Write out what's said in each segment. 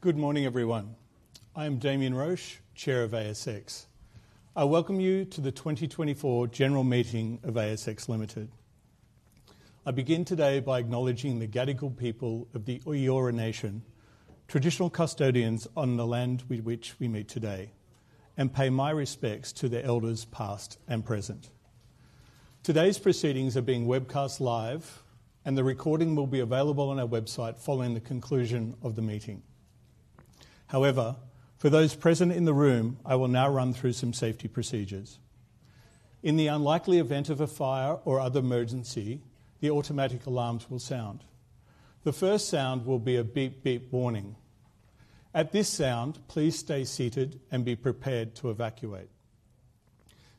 Good morning, everyone. I'm Damian Roche, Chair of ASX. I welcome you to the 2024 General Meeting of ASX Limited. I begin today by acknowledging the Gadigal people of the Eora Nation, traditional custodians on the land with which we meet today, and pay my respects to the elders, past and present. Today's proceedings are being webcast live, and the recording will be available on our website following the conclusion of the meeting. However, for those present in the room, I will now run through some safety procedures. In the unlikely event of a fire or other emergency, the automatic alarms will sound. The first sound will be a beep, beep warning. At this sound, please stay seated and be prepared to evacuate.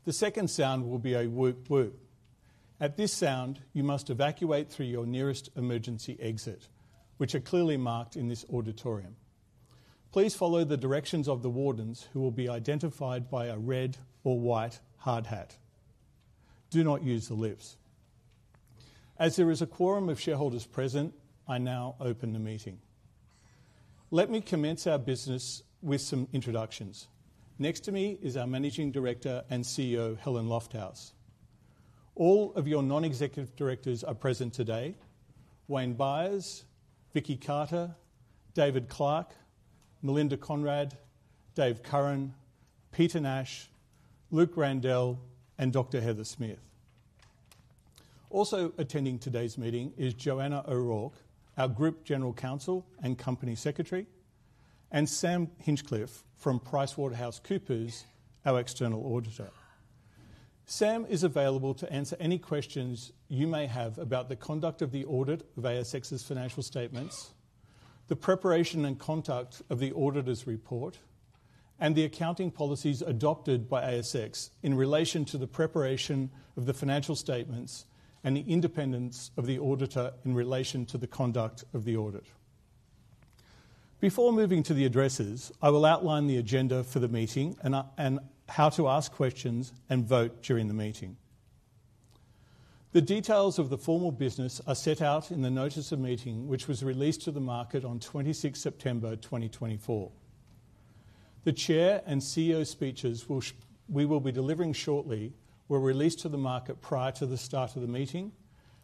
The second sound will be a whoop, whoop. At this sound, you must evacuate through your nearest emergency exit, which are clearly marked in this auditorium. Please follow the directions of the wardens, who will be identified by a red or white hard hat. Do not use the lifts. As there is a quorum of shareholders present, I now open the meeting. Let me commence our business with some introductions. Next to me is our Managing Director and CEO, Helen Lofthouse. All of your non-executive directors are present today: Wayne Byres, Vicki Carter, David Clarke, Melinda Conrad, Dave Curran, Peter Nash, Luke Randell, and Dr. Heather Smith. Also attending today's meeting is Johanna O'Rourke, our Group General Counsel and Company Secretary, and Sam Hinchliffe from PricewaterhouseCoopers, our External Auditor. Sam is available to answer any questions you may have about the conduct of the audit of ASX's financial statements, the preparation and conduct of the auditor's report, and the accounting policies adopted by ASX in relation to the preparation of the financial statements and the independence of the auditor in relation to the conduct of the audit. Before moving to the addresses, I will outline the agenda for the meeting and how to ask questions and vote during the meeting. The details of the formal business are set out in the Notice of Meeting, which was released to the market on 26 September, 2024. The Chair and CEO speeches which we will be delivering shortly were released to the market prior to the start of the meeting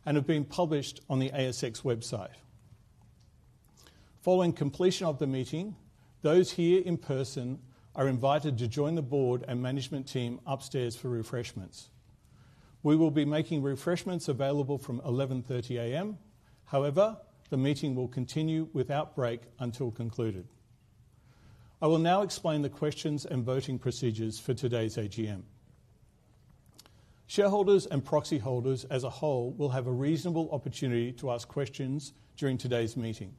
and have been published on the ASX website. Following completion of the meeting, those here in person are invited to join the board and management team upstairs for refreshments. We will be making refreshments available from 11:30 A.M., however, the meeting will continue without break until concluded. I will now explain the questions and voting procedures for today's AGM. Shareholders and proxy holders as a whole will have a reasonable opportunity to ask questions during today's meeting.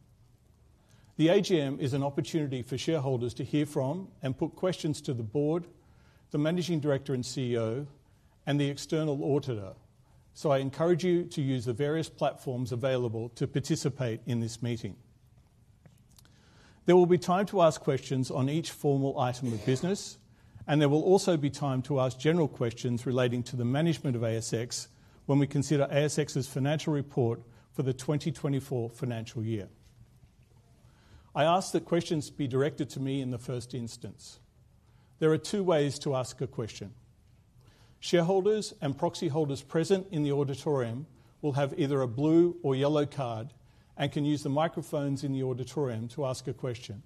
The AGM is an opportunity for shareholders to hear from and put questions to the board, the Managing Director and CEO, and the external auditor, so I encourage you to use the various platforms available to participate in this meeting. There will be time to ask questions on each formal item of business, and there will also be time to ask general questions relating to the management of ASX when we consider ASX's financial report for the 2024 financial year. I ask that questions be directed to me in the first instance. There are two ways to ask a question. Shareholders and proxy holders present in the auditorium will have either a blue or yellow card and can use the microphones in the auditorium to ask a question.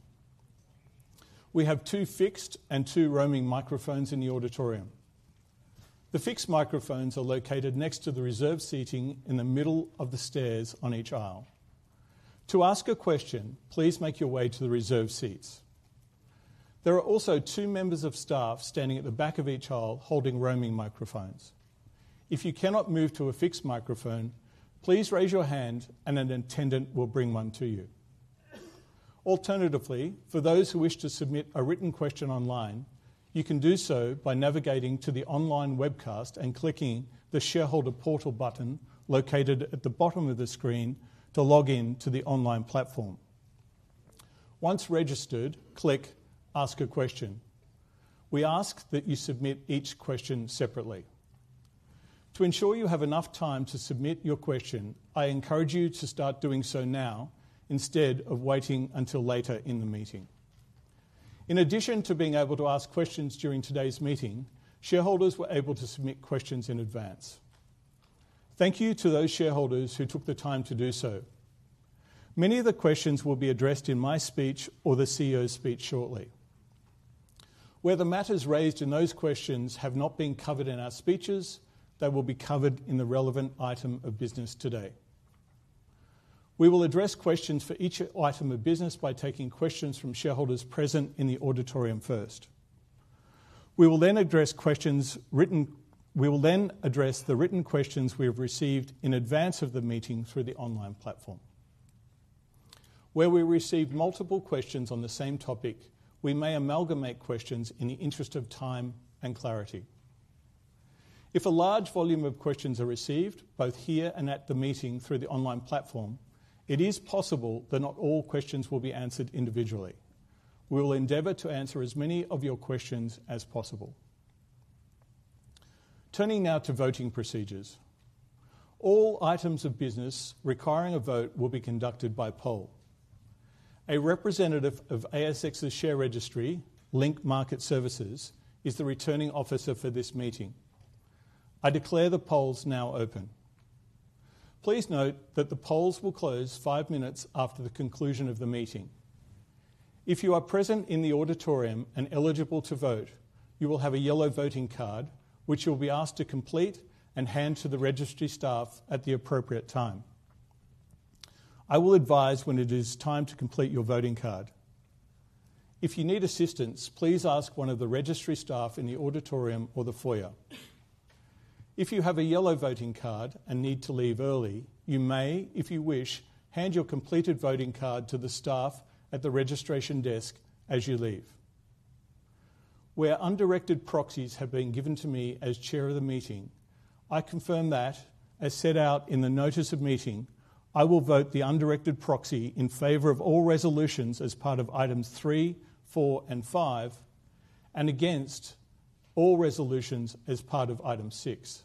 We have two fixed and two roaming microphones in the auditorium. The fixed microphones are located next to the reserved seating in the middle of the stairs on each aisle. To ask a question, please make your way to the reserved seats. There are also two members of staff standing at the back of each aisle holding roaming microphones. If you cannot move to a fixed microphone, please raise your hand and an attendant will bring one to you. Alternatively, for those who wish to submit a written question online, you can do so by navigating to the online webcast and clicking the Shareholder Portal button located at the bottom of the screen to log in to the online platform. Once registered, click 'Ask a Question'. We ask that you submit each question separately. To ensure you have enough time to submit your question, I encourage you to start doing so now instead of waiting until later in the meeting. In addition to being able to ask questions during today's meeting, shareholders were able to submit questions in advance. Thank you to those shareholders who took the time to do so. Many of the questions will be addressed in my speech or the CEO's speech shortly. Where the matters raised in those questions have not been covered in our speeches, they will be covered in the relevant item of business today. We will address questions for each item of business by taking questions from shareholders present in the auditorium first. We will then address the written questions we have received in advance of the meeting through the online platform. Where we receive multiple questions on the same topic, we may amalgamate questions in the interest of time and clarity. If a large volume of questions are received, both here and at the meeting through the online platform, it is possible that not all questions will be answered individually. We will endeavor to answer as many of your questions as possible... Turning now to voting procedures. All items of business requiring a vote will be conducted by poll. A representative of ASX's share registry, Link Market Services, is the Returning Officer for this meeting. I declare the polls now open. Please note that the polls will close five minutes after the conclusion of the meeting. If you are present in the auditorium and eligible to vote, you will have a yellow voting card, which you'll be asked to complete and hand to the registry staff at the appropriate time. I will advise when it is time to complete your voting card. If you need assistance, please ask one of the registry staff in the auditorium or the foyer. If you have a yellow voting card and need to leave early, you may, if you wish, hand your completed voting card to the staff at the registration desk as you leave. Where undirected proxies have been given to me as chair of the meeting, I confirm that, as set out in the Notice of Meeting, I will vote the undirected proxy in favor of all resolutions as part of items three, four, and five, and against all resolutions as part of item six.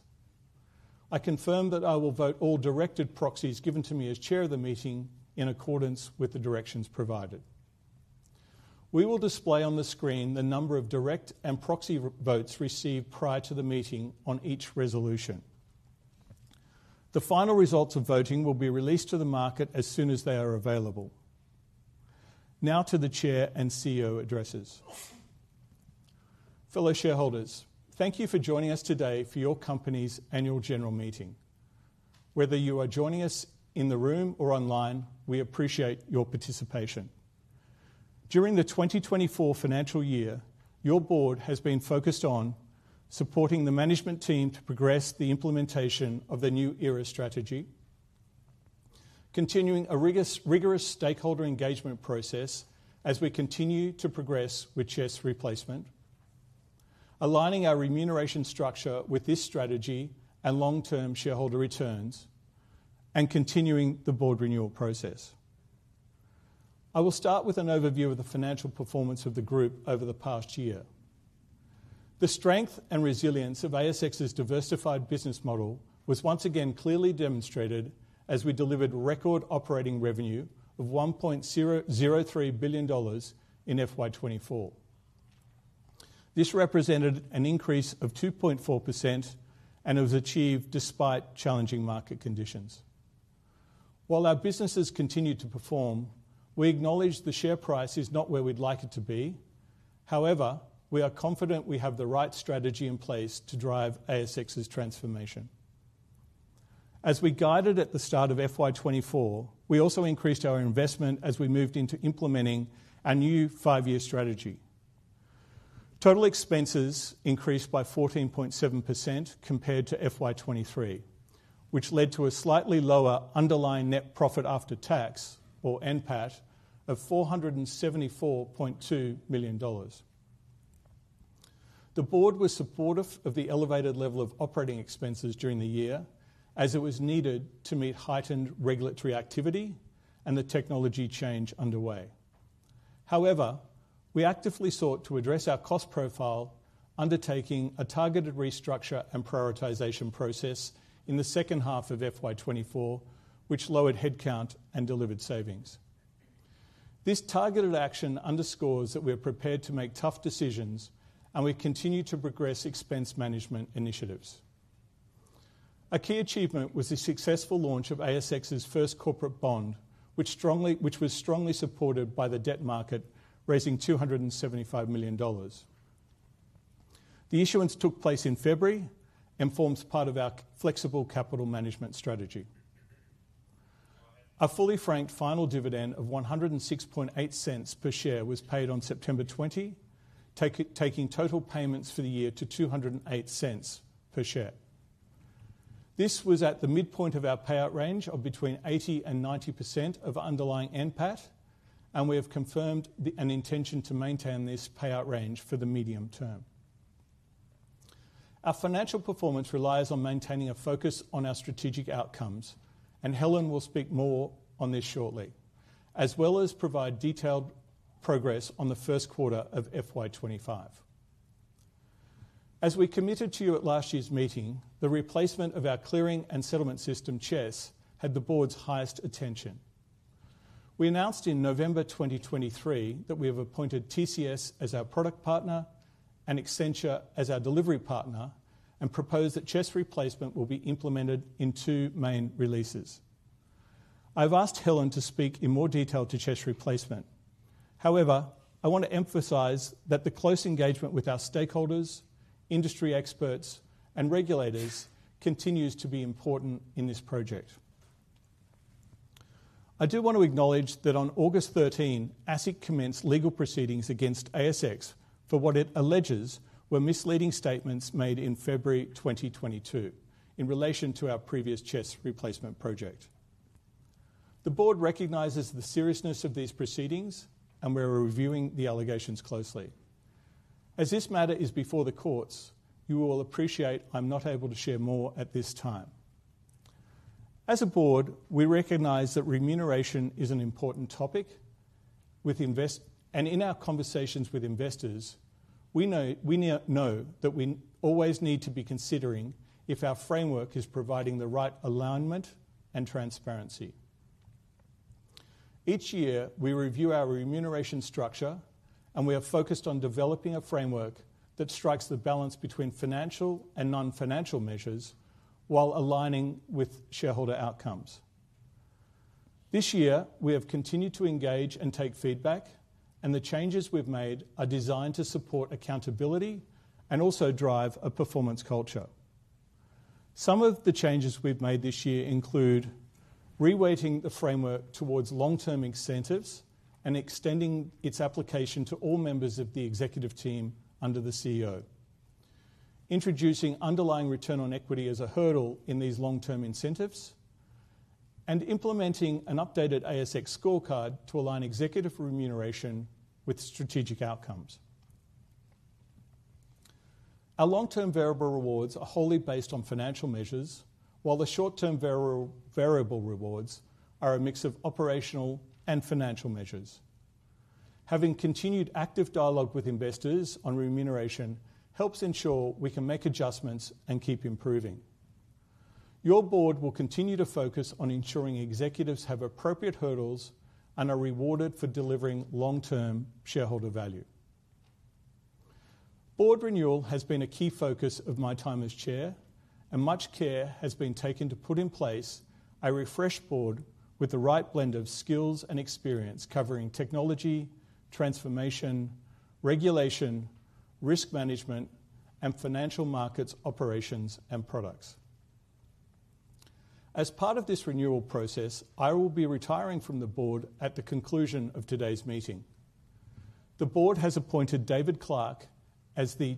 I confirm that I will vote all directed proxies given to me as chair of the meeting in accordance with the directions provided. We will display on the screen the number of direct and proxy votes received prior to the meeting on each resolution. The final results of voting will be released to the market as soon as they are available. Now to the Chair and CEO addresses. Fellow shareholders, thank you for joining us today for your company's annual general meeting. Whether you are joining us in the room or online, we appreciate your participation. During the 2024 financial year, your board has been focused on supporting the management team to progress the implementation of the New Era strategy, continuing a rigorous stakeholder engagement process as we continue to progress with CHESS replacement, aligning our remuneration structure with this strategy and long-term shareholder returns, and continuing the board renewal process. I will start with an overview of the financial performance of the group over the past year. The strength and resilience of ASX's diversified business model was once again clearly demonstrated as we delivered record operating revenue of 1.003 billion dollars in FY 2024. This represented an increase of 2.4%, and it was achieved despite challenging market conditions. While our businesses continue to perform, we acknowledge the share price is not where we'd like it to be. However, we are confident we have the right strategy in place to drive ASX's transformation. As we guided at the start of FY 2024, we also increased our investment as we moved into implementing our new five-year strategy. Total expenses increased by 14.7% compared to FY 2023, which led to a slightly lower underlying net profit after tax, or NPAT, of 474.2 million dollars. The board was supportive of the elevated level of operating expenses during the year as it was needed to meet heightened regulatory activity and the technology change underway. However, we actively sought to address our cost profile, undertaking a targeted restructure and prioritisation process in the second half of FY 2024, which lowered headcount and delivered savings. This targeted action underscores that we are prepared to make tough decisions, and we continue to progress expense management initiatives. A key achievement was the successful launch of ASX's first corporate bond, which was strongly supported by the debt market, raising 275 million dollars. The issuance took place in February and forms part of our flexible capital management strategy. A fully franked final dividend of 1.068 per share was paid on 20 September, taking total payments for the year to 2.08 per share. This was at the midpoint of our payout range of between 80% and 90% of underlying NPAT, and we have confirmed an intention to maintain this payout range for the medium term. Our financial performance relies on maintaining a focus on our strategic outcomes, and Helen will speak more on this shortly, as well as provide detailed progress on the first quarter of FY 2025. As we committed to you at last year's meeting, the replacement of our clearing and settlement system, CHESS, had the board's highest attention. We announced in November 2023 that we have appointed TCS as our product partner and Accenture as our delivery partner, and propose that CHESS replacement will be implemented in two main releases. I've asked Helen to speak in more detail to CHESS replacement. However, I want to emphasize that the close engagement with our stakeholders, industry experts, and regulators continues to be important in this project. I do want to acknowledge that on August 13, ASIC commenced legal proceedings against ASX for what it alleges were misleading statements made in February 2022 in relation to our previous CHESS replacement project. The board recognizes the seriousness of these proceedings, and we are reviewing the allegations closely. As this matter is before the courts, you will appreciate I'm not able to share more at this time. As a board, we recognize that remuneration is an important topic with investors and in our conversations with investors, we know, we know that we always need to be considering if our framework is providing the right alignment and transparency. Each year, we review our remuneration structure, and we are focused on developing a framework that strikes the balance between financial and non-financial measures while aligning with shareholder outcomes. This year, we have continued to engage and take feedback, and the changes we've made are designed to support accountability and also drive a performance culture. Some of the changes we've made this year include reweighting the framework towards long-term incentives and extending its application to all members of the executive team under the CEO, introducing underlying return on equity as a hurdle in these long-term incentives, and implementing an updated ASX scorecard to align executive remuneration with strategic outcomes. Our long-term variable rewards are wholly based on financial measures, while the short-term variable rewards are a mix of operational and financial measures. Having continued active dialogue with investors on remuneration helps ensure we can make adjustments and keep improving. Your board will continue to focus on ensuring executives have appropriate hurdles and are rewarded for delivering long-term shareholder value. Board renewal has been a key focus of my time as chair, and much care has been taken to put in place a refreshed board with the right blend of skills and experience, covering technology, transformation, regulation, risk management, and financial markets, operations, and products. As part of this renewal process, I will be retiring from the board at the conclusion of today's meeting. The board has appointed David Clarke as the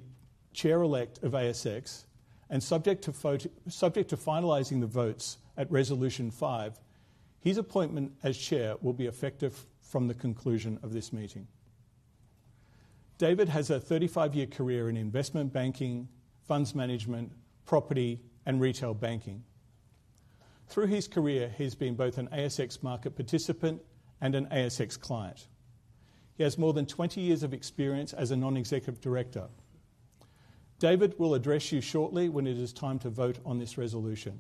chair-elect of ASX, and subject to finalizing the votes at Resolution Five, his appointment as chair will be effective from the conclusion of this meeting. David has a 35-year career in investment banking, funds management, property, and retail banking. Through his career, he's been both an ASX market participant and an ASX client. He has more than 20 years of experience as a non-executive director. David will address you shortly when it is time to vote on this resolution.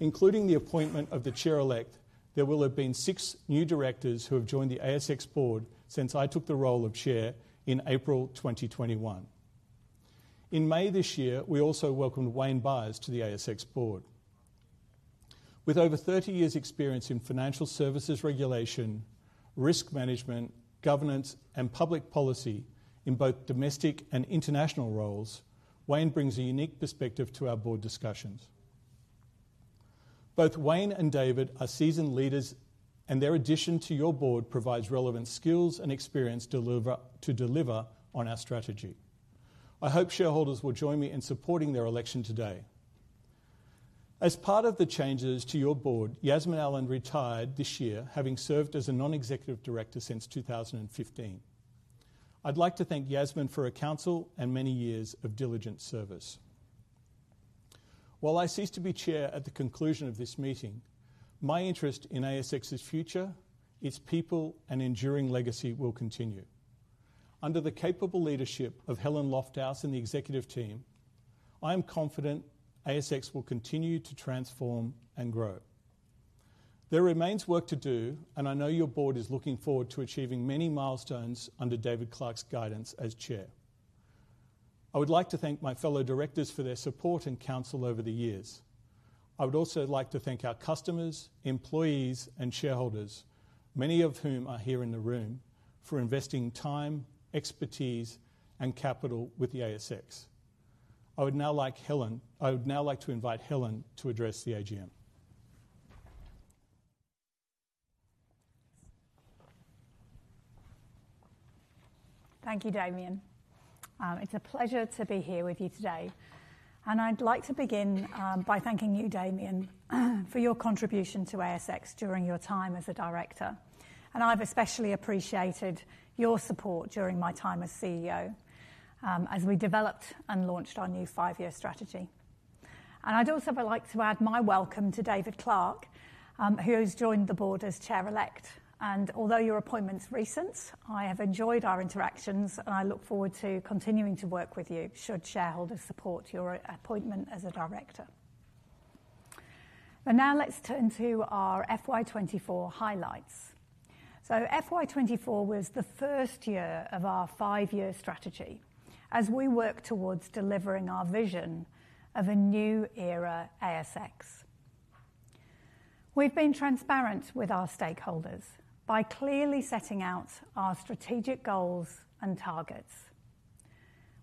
Including the appointment of the chair-elect, there will have been six new directors who have joined the ASX board since I took the role of chair in April 2021. In May this year, we also welcomed Wayne Byres to the ASX board. With over 30 years' experience in financial services regulation, risk management, governance, and public policy in both domestic and international roles, Wayne brings a unique perspective to our board discussions. Both Wayne and David are seasoned leaders, and their addition to your board provides relevant skills and experience to deliver on our strategy. I hope shareholders will join me in supporting their election today. As part of the changes to your board, Yasmin Allen retired this year, having served as a non-executive director since two thousand and fifteen. I'd like to thank Yasmin for her counsel and many years of diligent service. While I cease to be chair at the conclusion of this meeting, my interest in ASX's future, its people, and enduring legacy will continue. Under the capable leadership of Helen Lofthouse and the executive team, I am confident ASX will continue to transform and grow. There remains work to do, and I know your board is looking forward to achieving many milestones under David Clarke's guidance as chair. I would like to thank my fellow directors for their support and counsel over the years. I would also like to thank our customers, employees, and shareholders, many of whom are here in the room, for investing time, expertise, and capital with the ASX. I would now like to invite Helen to address the AGM. Thank you, Damian. It's a pleasure to be here with you today, and I'd like to begin by thanking you, Damian, for your contribution to ASX during your time as a director, and I've especially appreciated your support during my time as CEO as we developed and launched our new five-year strategy, and I'd also like to add my welcome to David Clarke, who has joined the board as chair-elect, and although your appointment's recent, I have enjoyed our interactions, and I look forward to continuing to work with you, should shareholders support your appointment as a director, but now let's turn to our FY 2024 highlights, so FY 2024 was the first year of our five-year strategy as we work towards delivering our vision of a new era ASX. We've been transparent with our stakeholders by clearly setting out our strategic goals and targets.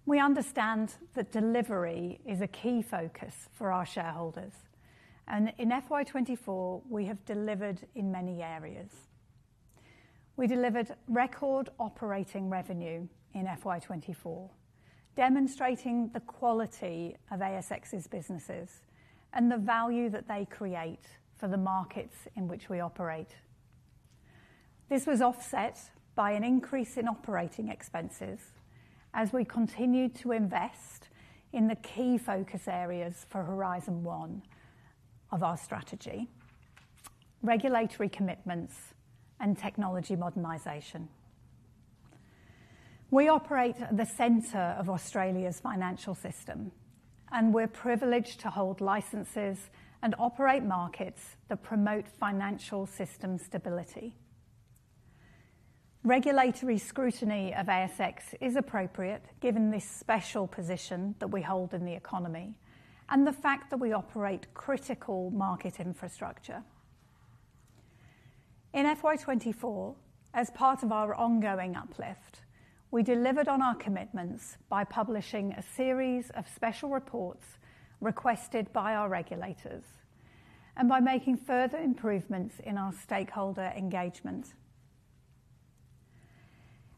We understand that delivery is a key focus for our shareholders, and in FY 2024, we have delivered in many areas. We delivered record operating revenue in FY 2024, demonstrating the quality of ASX's businesses and the value that they create for the markets in which we operate. This was offset by an increase in operating expenses as we continued to invest in the key focus areas for Horizon One of our strategy, regulatory commitments and technology modernization. We operate at the center of Australia's financial system, and we're privileged to hold licenses and operate markets that promote financial system stability. Regulatory scrutiny of ASX is appropriate, given this special position that we hold in the economy and the fact that we operate critical market infrastructure. In FY 2024, as part of our ongoing uplift, we delivered on our commitments by publishing a series of special reports requested by our regulators and by making further improvements in our stakeholder engagement.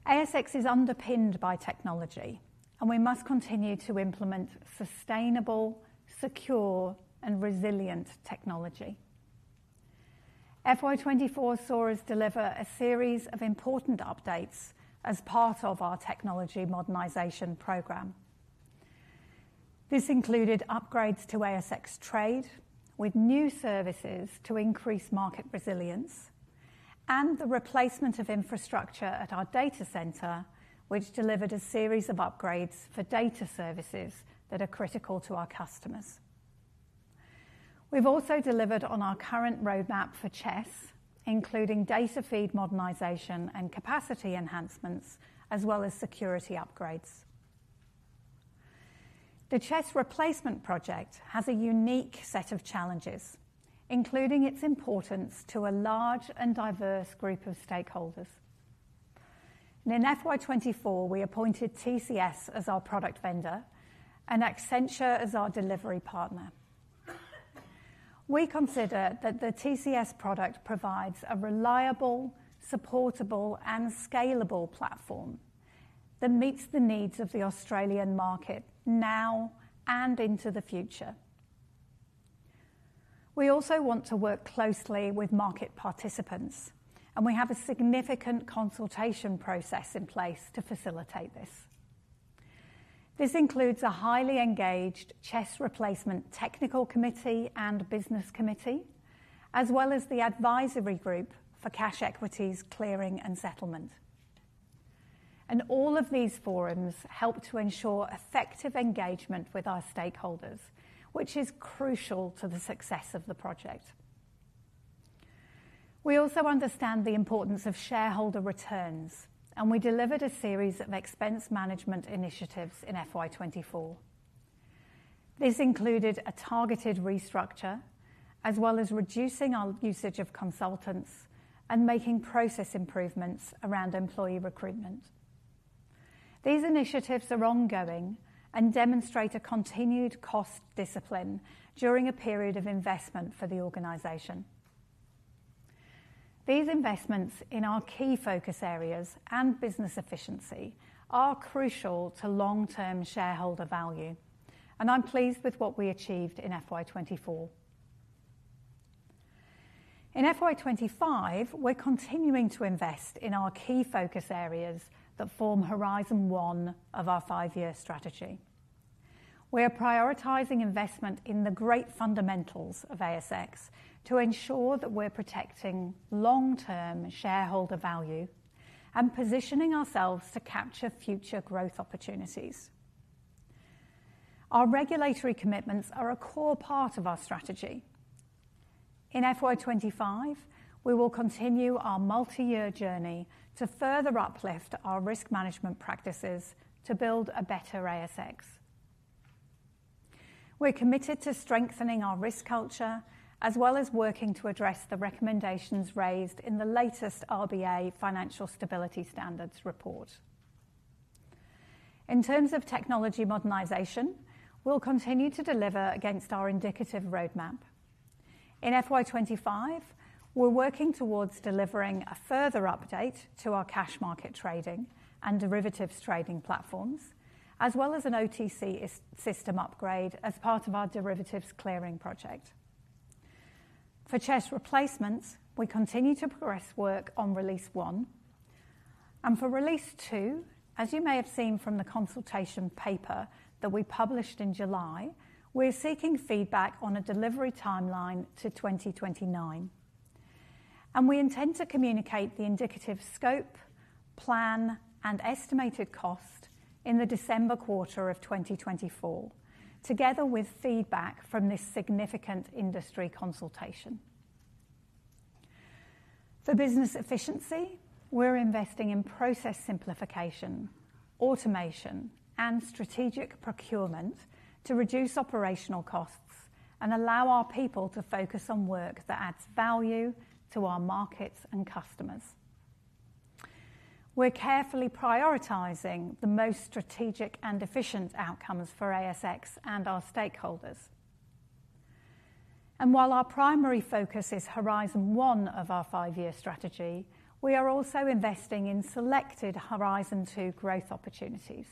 ASX is underpinned by technology, and we must continue to implement sustainable, secure and resilient technology. FY 2024 saw us deliver a series of important updates as part of our technology modernization program. This included upgrades to ASX Trade, with new services to increase market resilience and the replacement of infrastructure at our data center, which delivered a series of upgrades for data services that are critical to our customers. We've also delivered on our current roadmap for CHESS, including data feed modernization and capacity enhancements, as well as security upgrades. The CHESS replacement project has a unique set of challenges, including its importance to a large and diverse group of stakeholders. In FY 2024, we appointed TCS as our product vendor and Accenture as our delivery partner. We consider that the TCS product provides a reliable, supportable, and scalable platform that meets the needs of the Australian market now and into the future. We also want to work closely with market participants, and we have a significant consultation process in place to facilitate this. This includes a highly engaged CHESS Replacement Technical Committee and Business Committee, as well as the advisory group for cash equities, clearing and settlement. All of these forums help to ensure effective engagement with our stakeholders, which is crucial to the success of the project. We also understand the importance of shareholder returns, and we delivered a series of expense management initiatives in FY 2024. This included a targeted restructure, as well as reducing our usage of consultants and making process improvements around employee recruitment. These initiatives are ongoing and demonstrate a continued cost discipline during a period of investment for the organization. These investments in our key focus areas and business efficiency are crucial to long-term shareholder value, and I'm pleased with what we achieved in FY 2024. In FY 2025, we're continuing to invest in our key focus areas that form Horizon One of our five-year strategy. We are prioritizing investment in the great fundamentals of ASX to ensure that we're protecting long-term shareholder value and positioning ourselves to capture future growth opportunities. Our regulatory commitments are a core part of our strategy. In FY 2025, we will continue our multi-year journey to further uplift our risk management practices to build a better ASX. We're committed to strengthening our risk culture, as well as working to address the recommendations raised in the latest RBA Financial Stability Standards report. In terms of technology modernization, we'll continue to deliver against our indicative roadmap. In FY 2025, we're working towards delivering a further update to our cash market trading and derivatives trading platforms, as well as an OTC access system upgrade as part of our derivatives clearing project. For CHESS replacements, we continue to progress work on Release One and for Release Two, as you may have seen from the consultation paper that we published in July, we're seeking feedback on a delivery timeline to 2029, and we intend to communicate the indicative scope, plan, and estimated cost in the December quarter of 2024, together with feedback from this significant industry consultation. For business efficiency, we're investing in process simplification, automation, and strategic procurement to reduce operational costs and allow our people to focus on work that adds value to our markets and customers. We're carefully prioritizing the most strategic and efficient outcomes for ASX and our stakeholders. And while our primary focus is Horizon One of our five-year strategy, we are also investing in selected Horizon Two growth opportunities...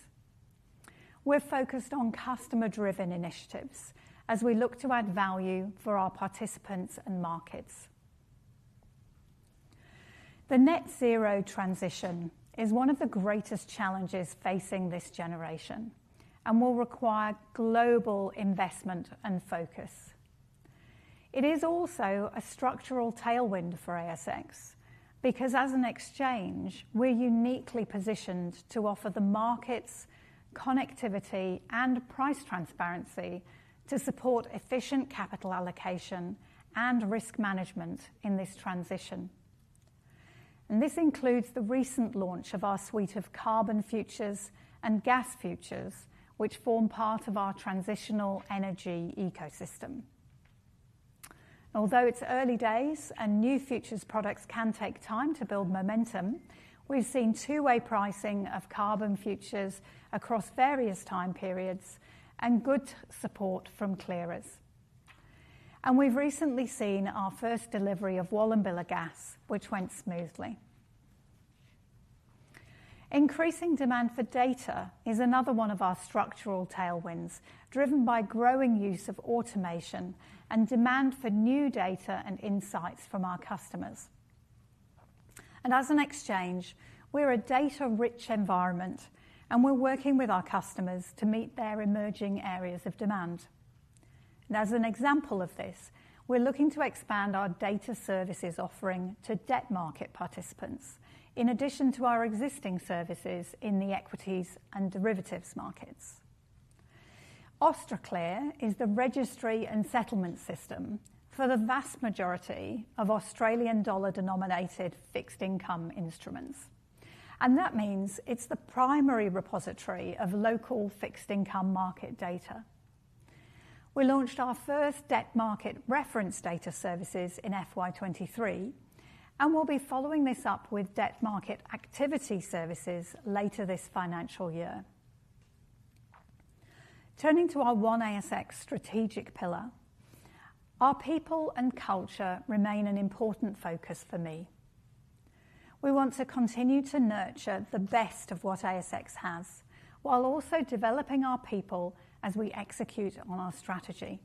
We're focused on customer-driven initiatives as we look to add value for our participants and markets. The net zero transition is one of the greatest challenges facing this generation and will require global investment and focus. It is also a structural tailwind for ASX, because as an exchange, we're uniquely positioned to offer the markets connectivity and price transparency to support efficient capital allocation and risk management in this transition. And this includes the recent launch of our suite of carbon futures and gas futures, which form part of our transitional energy ecosystem. Although it's early days and new futures products can take time to build momentum, we've seen two-way pricing of carbon futures across various time periods and good support from clearers, and we've recently seen our first delivery of Wallumbilla gas, which went smoothly. Increasing demand for data is another one of our structural tailwinds, driven by growing use of automation and demand for new data and insights from our customers, and as an exchange, we're a data-rich environment, and we're working with our customers to meet their emerging areas of demand, and as an example of this, we're looking to expand our data services offering to debt market participants, in addition to our existing services in the equities and derivatives markets. Austraclear is the registry and settlement system for the vast majority of Australian dollar-denominated fixed-income instruments, and that means it's the primary repository of local fixed-income market data. We launched our first debt market reference data services in FY 2023, and we'll be following this up with debt market activity services later this financial year. Turning to our One ASX strategic pillar, our people and culture remain an important focus for me. We want to continue to nurture the best of what ASX has, while also developing our people as we execute on our strategy.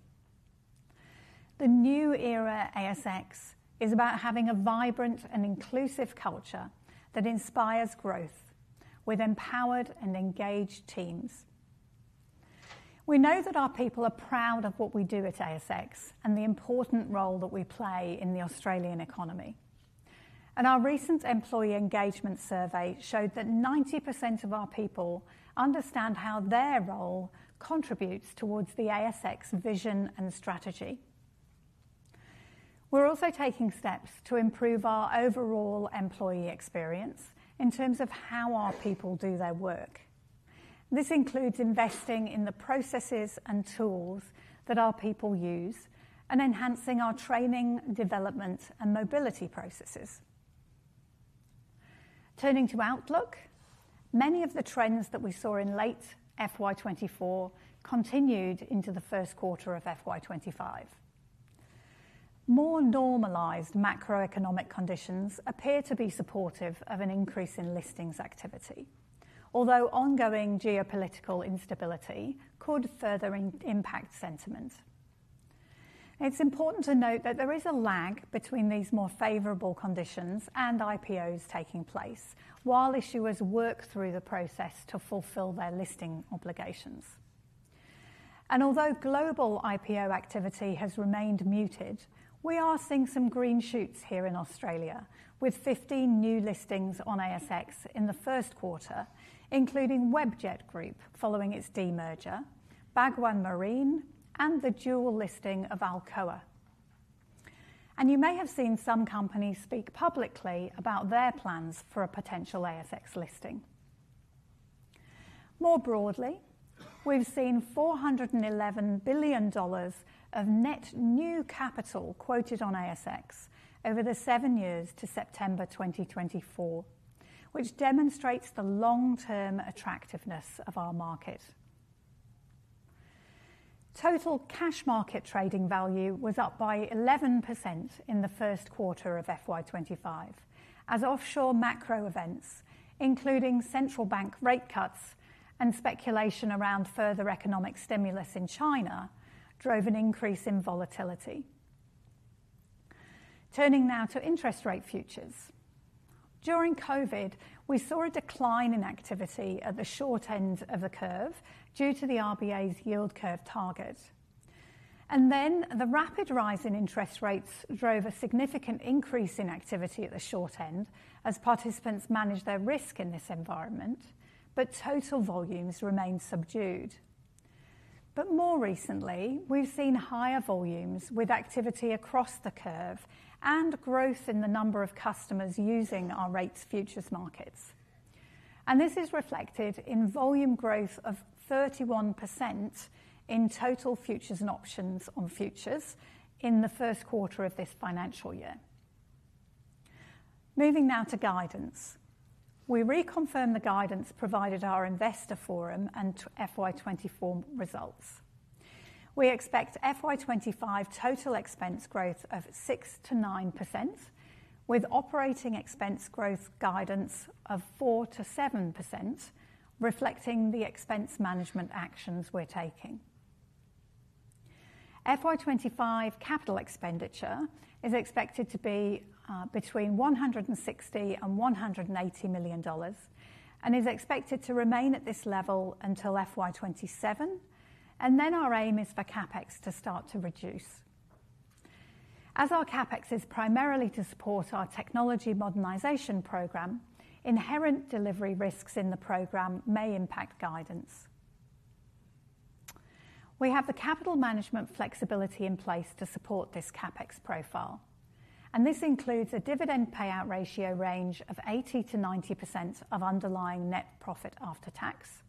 The new era ASX is about having a vibrant and inclusive culture that inspires growth with empowered and engaged teams. We know that our people are proud of what we do at ASX and the important role that we play in the Australian economy, and our recent employee engagement survey showed that 90% of our people understand how their role contributes towards the ASX vision and strategy. We're also taking steps to improve our overall employee experience in terms of how our people do their work. This includes investing in the processes and tools that our people use and enhancing our training, development, and mobility processes. Turning to outlook, many of the trends that we saw in late FY 2024 continued into the first quarter of FY 2025. More normalized macroeconomic conditions appear to be supportive of an increase in listings activity, although ongoing geopolitical instability could further impact sentiment. It's important to note that there is a lag between these more favorable conditions and IPOs taking place, while issuers work through the process to fulfill their listing obligations. Although global IPO activity has remained muted, we are seeing some green shoots here in Australia, with 15 new listings on ASX in the first quarter, including Webjet Group, following its demerger, Bhagwan Marine, and the dual listing of Alcoa. You may have seen some companies speak publicly about their plans for a potential ASX listing. More broadly, we've seen 411 billion dollars of net new capital quoted on ASX over the seven years to September 2024, which demonstrates the long-term attractiveness of our market. Total cash market trading value was up by 11% in the first quarter of FY 2025, as offshore macro events, including central bank rate cuts and speculation around further economic stimulus in China, drove an increase in volatility. Turning now to interest rate futures. During COVID, we saw a decline in activity at the short end of the curve due to the RBA's yield curve target, and then the rapid rise in interest rates drove a significant increase in activity at the short end as participants managed their risk in this environment, but total volumes remained subdued, but more recently, we've seen higher volumes with activity across the curve and growth in the number of customers using our rates futures markets, and this is reflected in volume growth of 31% in total futures and options on futures in the first quarter of this financial year. Moving now to guidance. We reconfirm the guidance provided at our investor forum and FY 2024 results. We expect FY 2025 total expense growth of 6%-9%, with operating expense growth guidance of 4%-7%, reflecting the expense management actions we're taking. FY 2025 capital expenditure is expected to be between 160 million and 180 million dollars, and is expected to remain at this level until FY 2027, and then our aim is for CapEx to start to reduce. As our CapEx is primarily to support our technology modernization program, inherent delivery risks in the program may impact guidance. We have the capital management flexibility in place to support this CapEx profile, and this includes a dividend payout ratio range of 80%-90% of underlying net profit after tax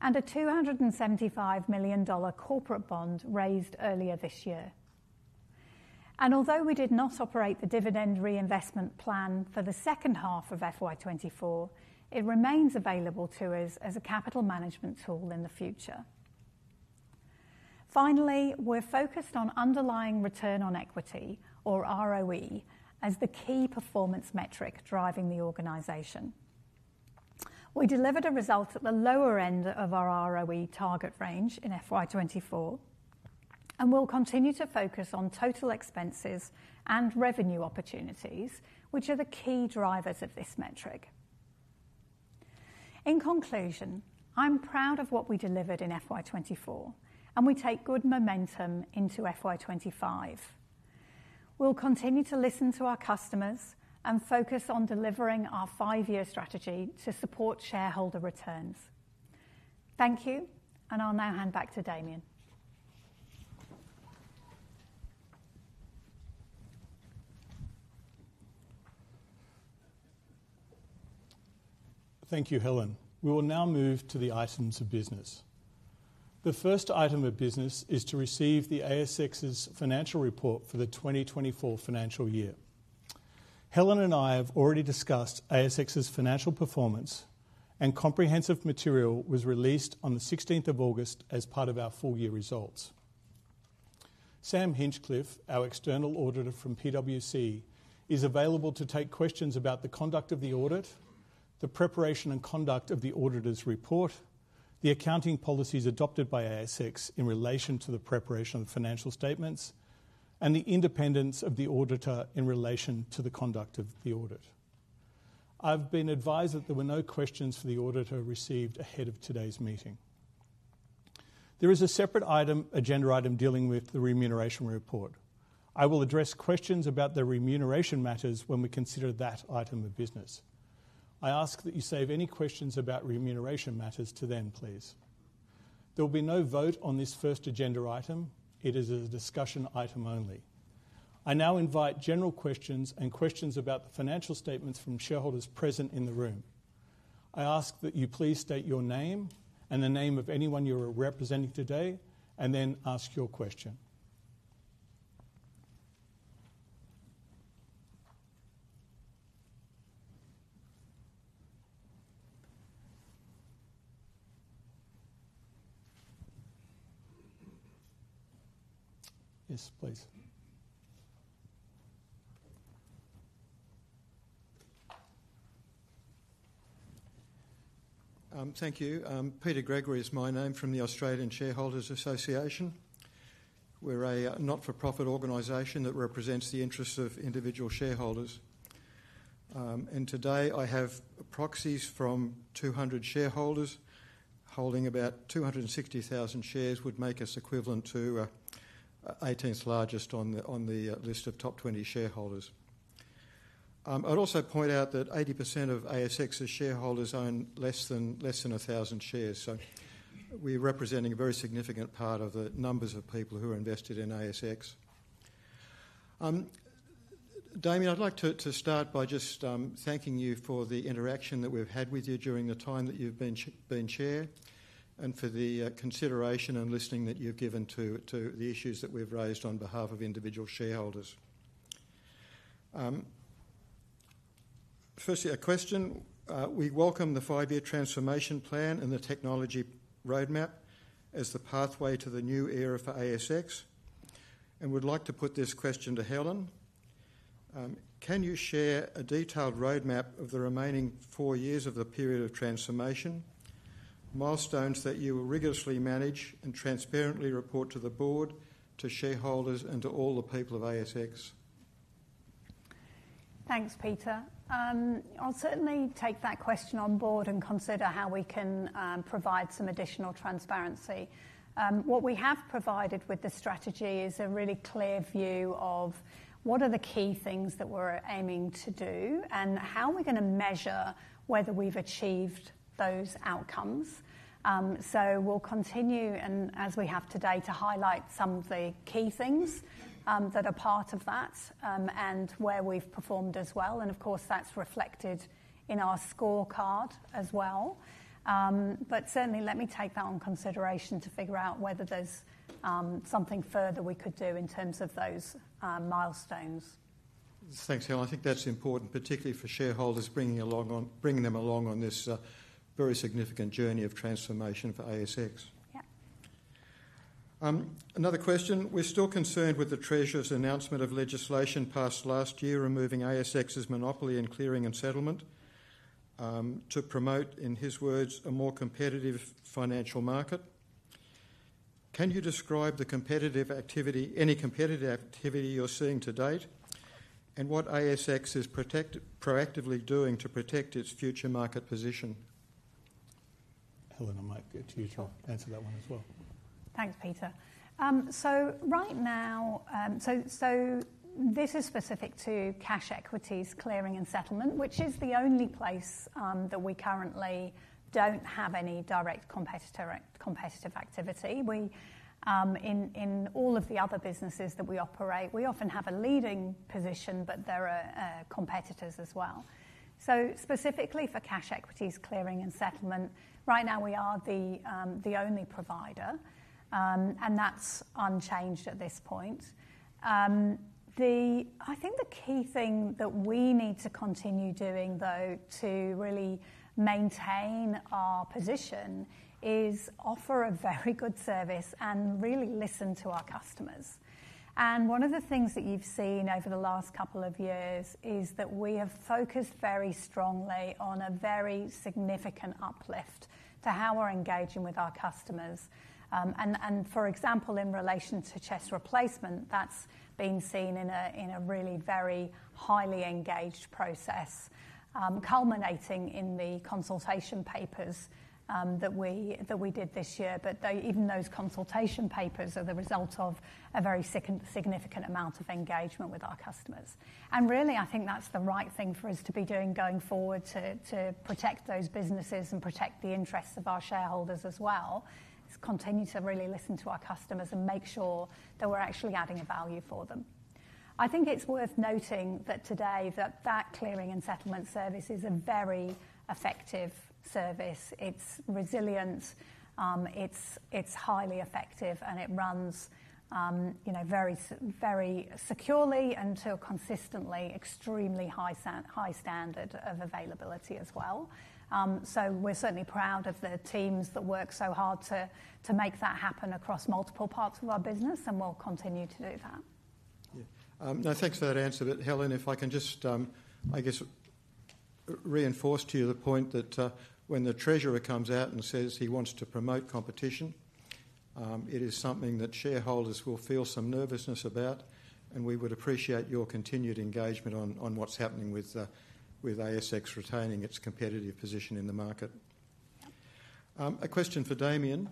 and a 275 million dollar corporate bond raised earlier this year. Although we did not operate the dividend reinvestment plan for the second half of FY 2024, it remains available to us as a capital management tool in the future. Finally, we're focused on underlying return on equity, or ROE, as the key performance metric driving the organization. We delivered a result at the lower end of our ROE target range in FY 2024, and we'll continue to focus on total expenses and revenue opportunities, which are the key drivers of this metric. In conclusion, I'm proud of what we delivered in FY 2024, and we take good momentum into FY 2025. We'll continue to listen to our customers and focus on delivering our five-year strategy to support shareholder returns. Thank you, and I'll now hand back to Damian. Thank you, Helen. We will now move to the items of business. The first item of business is to receive the ASX's financial report for the 2024 financial year. Helen and I have already discussed ASX's financial performance, and comprehensive material was released on the 16 August as part of our full-year results. Sam Hinchliffe, our external auditor from PwC, is available to take questions about the conduct of the audit, the preparation and conduct of the auditor's report, the accounting policies adopted by ASX in relation to the preparation of financial statements, and the independence of the auditor in relation to the conduct of the audit. I've been advised that there were no questions for the auditor received ahead of today's meeting. There is a separate item, agenda item, dealing with the Remuneration Report. I will address questions about the remuneration matters when we consider that item of business. I ask that you save any questions about remuneration matters to then, please. There will be no vote on this first agenda item. It is a discussion item only. I now invite general questions and questions about the financial statements from shareholders present in the room. I ask that you please state your name and the name of anyone you are representing today, and then ask your question. Yes, please. Thank you. Peter Gregory is my name, from the Australian Shareholders' Association. We're a not-for-profit organization that represents the interests of individual shareholders. And today I have proxies from 200 shareholders, holding about 260,000 shares. Would make us equivalent to 18th largest on the list of top 20 shareholders. I'd also point out that 80% of ASX's shareholders own less than 1,000 shares, so we're representing a very significant part of the numbers of people who are invested in ASX. Damian, I'd like to start by just thanking you for the interaction that we've had with you during the time that you've been chair, and for the consideration and listening that you've given to the issues that we've raised on behalf of individual shareholders. Firstly, a question. We welcome the five-year transformation plan and the technology roadmap as the pathway to the new era for ASX, and would like to put this question to Helen. Can you share a detailed roadmap of the remaining four years of the period of transformation, milestones that you will rigorously manage and transparently report to the board, to shareholders, and to all the people of ASX? Thanks, Peter. I'll certainly take that question on board and consider how we can provide some additional transparency. What we have provided with the strategy is a really clear view of what are the key things that we're aiming to do and how are we gonna measure whether we've achieved those outcomes. So we'll continue, and as we have today, to highlight some of the key things that are part of that, and where we've performed as well, and of course, that's reflected in our scorecard as well. But certainly, let me take that on consideration to figure out whether there's something further we could do in terms of those milestones. Thanks, Helen. I think that's important, particularly for shareholders, bringing them along on this very significant journey of transformation for ASX. Yeah. Another question: we're still concerned with the Treasurer's announcement of legislation passed last year, removing ASX's monopoly in clearing and settlement, to promote, in his words, "a more competitive financial market." Can you describe the competitive activity, any competitive activity you're seeing to date, and what ASX is proactively doing to protect its future market position? Helen, I might get you to answer that one as well. Thanks, Peter. So right now, so this is specific to cash equities, clearing and settlement, which is the only place that we currently don't have any direct competitor, competitive activity. We, in all of the other businesses that we operate, we often have a leading position, but there are competitors as well. So specifically for cash equities, clearing and settlement, right now we are the only provider, and that's unchanged at this point. I think the key thing that we need to continue doing though, to really maintain our position, is offer a very good service and really listen to our customers. And one of the things that you've seen over the last couple of years is that we have focused very strongly on a very significant uplift to how we're engaging with our customers. And for example, in relation to CHESS replacement, that's been seen in a really very highly engaged process, culminating in the consultation papers that we did this year. But they, even those consultation papers are the result of a very significant amount of engagement with our customers. And really, I think that's the right thing for us to be doing going forward to protect those businesses and protect the interests of our shareholders as well, is continue to really listen to our customers and make sure that we're actually adding a value for them. I think it's worth noting that today, that clearing and settlement service is a very effective service. It's resilient, it's highly effective, and it runs, you know, very securely and to a consistently extremely high standard of availability as well. So we're certainly proud of the teams that work so hard to make that happen across multiple parts of our business, and we'll continue to do that. Yeah. No, thanks for that answer. But Helen, if I can just, I guess reinforce to you the point that, when the Treasurer comes out and says he wants to promote competition, it is something that shareholders will feel some nervousness about, and we would appreciate your continued engagement on what's happening with ASX retaining its competitive position in the market. Yep. A question for Damian.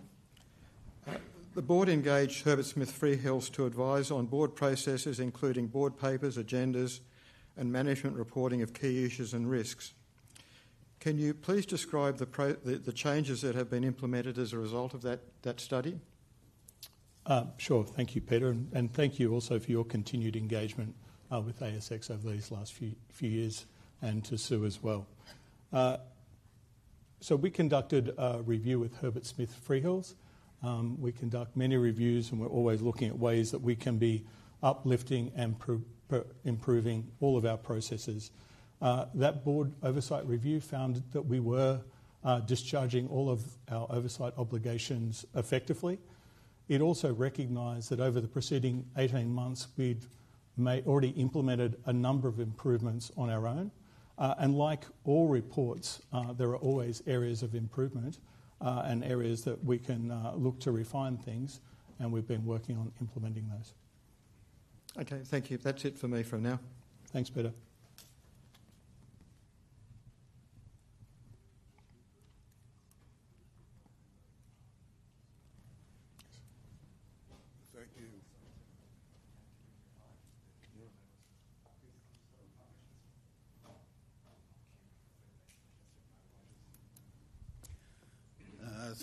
The board engaged Herbert Smith Freehills to advise on board processes, including board papers, agendas, and management reporting of key issues and risks. Can you please describe the changes that have been implemented as a result of that study? Sure. Thank you, Peter, and thank you also for your continued engagement with ASX over these last few years, and to Sue as well. So we conducted a review with Herbert Smith Freehills. We conduct many reviews, and we're always looking at ways that we can be uplifting and improving all of our processes. That board oversight review found that we were discharging all of our oversight obligations effectively. It also recognized that over the preceding eighteen months, we'd made already implemented a number of improvements on our own. And like all reports, there are always areas of improvement, and areas that we can look to refine things, and we've been working on implementing those. Okay, thank you. That's it for me for now. Thanks, Peter. Thank you.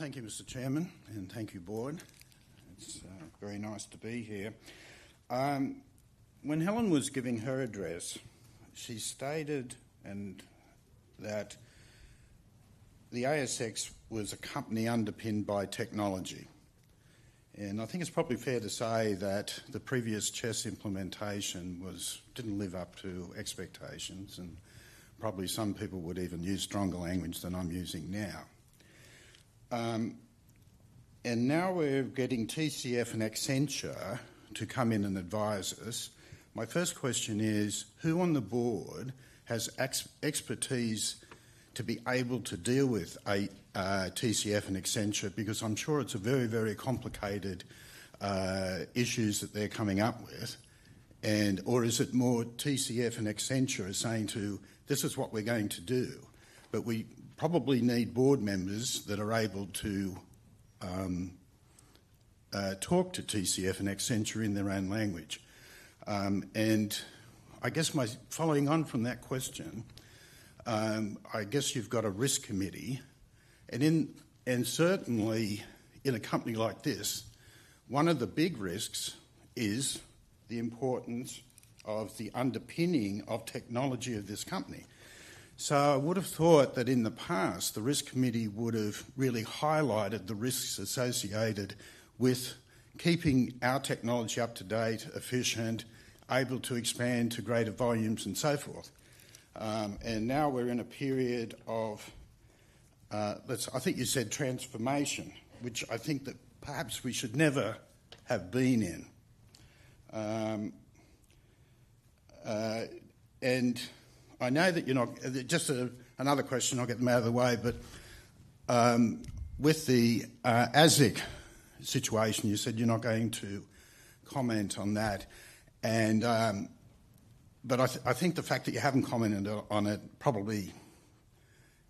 Thank you, Mr. Chairman, and thank you, board. It's very nice to be here. When Helen was giving her address, she stated that the ASX was a company underpinned by technology, and I think it's probably fair to say that the previous CHESS implementation didn't live up to expectations, and probably some people would even use stronger language than I'm using now. And now we're getting TCS and Accenture to come in and advise us. My first question is, who on the board has expertise to be able to deal with a TCS and Accenture? Because I'm sure it's a very, very complicated issues that they're coming up with, and... or is it more TCS and Accenture are saying to, "This is what we're going to do," but we probably need board members that are able to talk to TCS and Accenture in their own language. And I guess following on from that question, I guess you've got a risk committee, and certainly in a company like this, one of the big risks is the importance of the underpinning of technology of this company. So I would have thought that in the past, the risk committee would have really highlighted the risks associated with keeping our technology up to date, efficient, able to expand to greater volumes, and so forth. And now we're in a period of, I think you said transformation, which I think that perhaps we should never have been in. Just another question, I'll get them out of the way, but with the ASIC situation, you said you're not going to comment on that, and but I think the fact that you haven't commented on it probably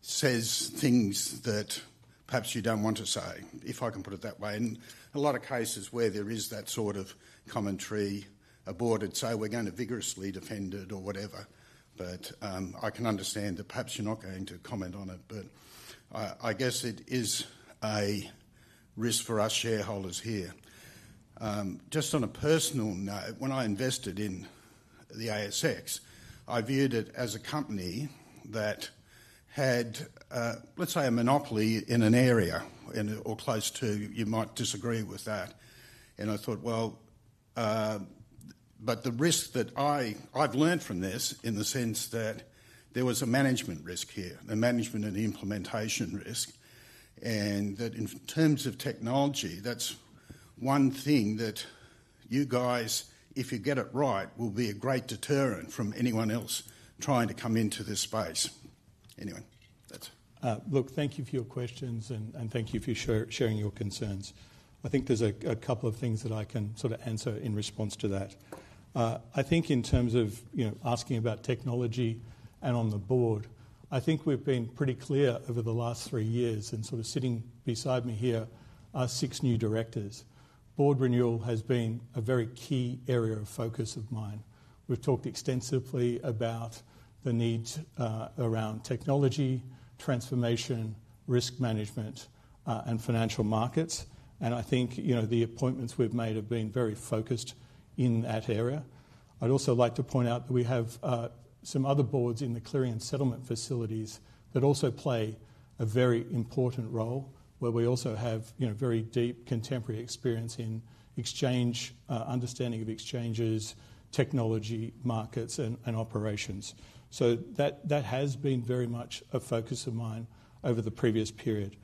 says things that perhaps you don't want to say, if I can put it that way. In a lot of cases where there is that sort of commentary aborted, say, "We're going to vigorously defend it," or whatever. But I can understand that perhaps you're not going to comment on it, but I guess it is a risk for us shareholders here. Just on a personal note, when I invested in the ASX, I viewed it as a company that had, let's say, a monopoly in an area and or close to... You might disagree with that, and I thought, well, but the risk that I've learned from this in the sense that there was a management risk here, a management and implementation risk, and that in terms of technology, that's one thing that you guys, if you get it right, will be a great deterrent from anyone else trying to come into this space. Anyway, that's- Look, thank you for your questions, and thank you for sharing your concerns. I think there's a couple of things that I can sort of answer in response to that. I think in terms of, you know, asking about technology and on the board, I think we've been pretty clear over the last three years, and sort of sitting beside me here are six new directors. Board renewal has been a very key area of focus of mine. We've talked extensively about the need around technology, transformation, risk management, and financial markets, and I think, you know, the appointments we've made have been very focused in that area. I'd also like to point out that we have some other boards in the clearing and settlement facilities that also play a very important role, where we also have, you know, very deep contemporary experience in exchange understanding of exchanges, technology, markets, and operations. So that has been very much a focus of mine over the previous period.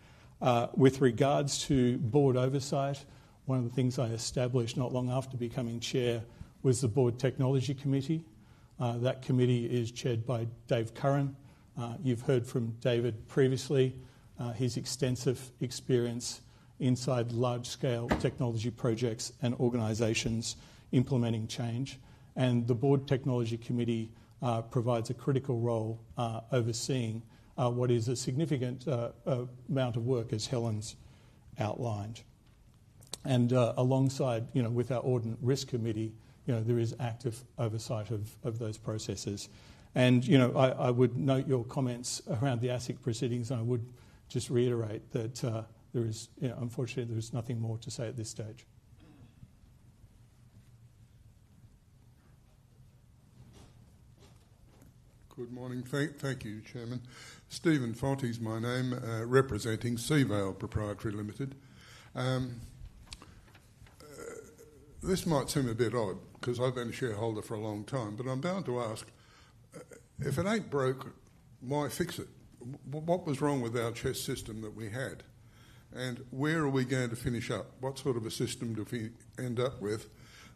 With regards to board oversight, one of the things I established not long after becoming chair was the Board Technology Committee. That committee is chaired by Dave Curran. You've heard from David previously, his extensive experience inside large-scale technology projects and organizations implementing change, and the Board Technology Committee provides a critical role, overseeing what is a significant amount of work, as Helen's outlined. Alongside, you know, with our Audit Risk Committee, you know, there is active oversight of those processes. You know, I would note your comments around the ASIC proceedings, and I would just reiterate that, there is, you know, unfortunately, there is nothing more to say at this stage. Good morning. Thank you, Chairman. Stephen Fortey is my name, representing Seaval Proprietary Limited. This might seem a bit odd 'cause I've been a shareholder for a long time, but I'm bound to ask: If it ain't broke, why fix it? What was wrong with our CHESS system that we had, and where are we going to finish up? What sort of a system do we end up with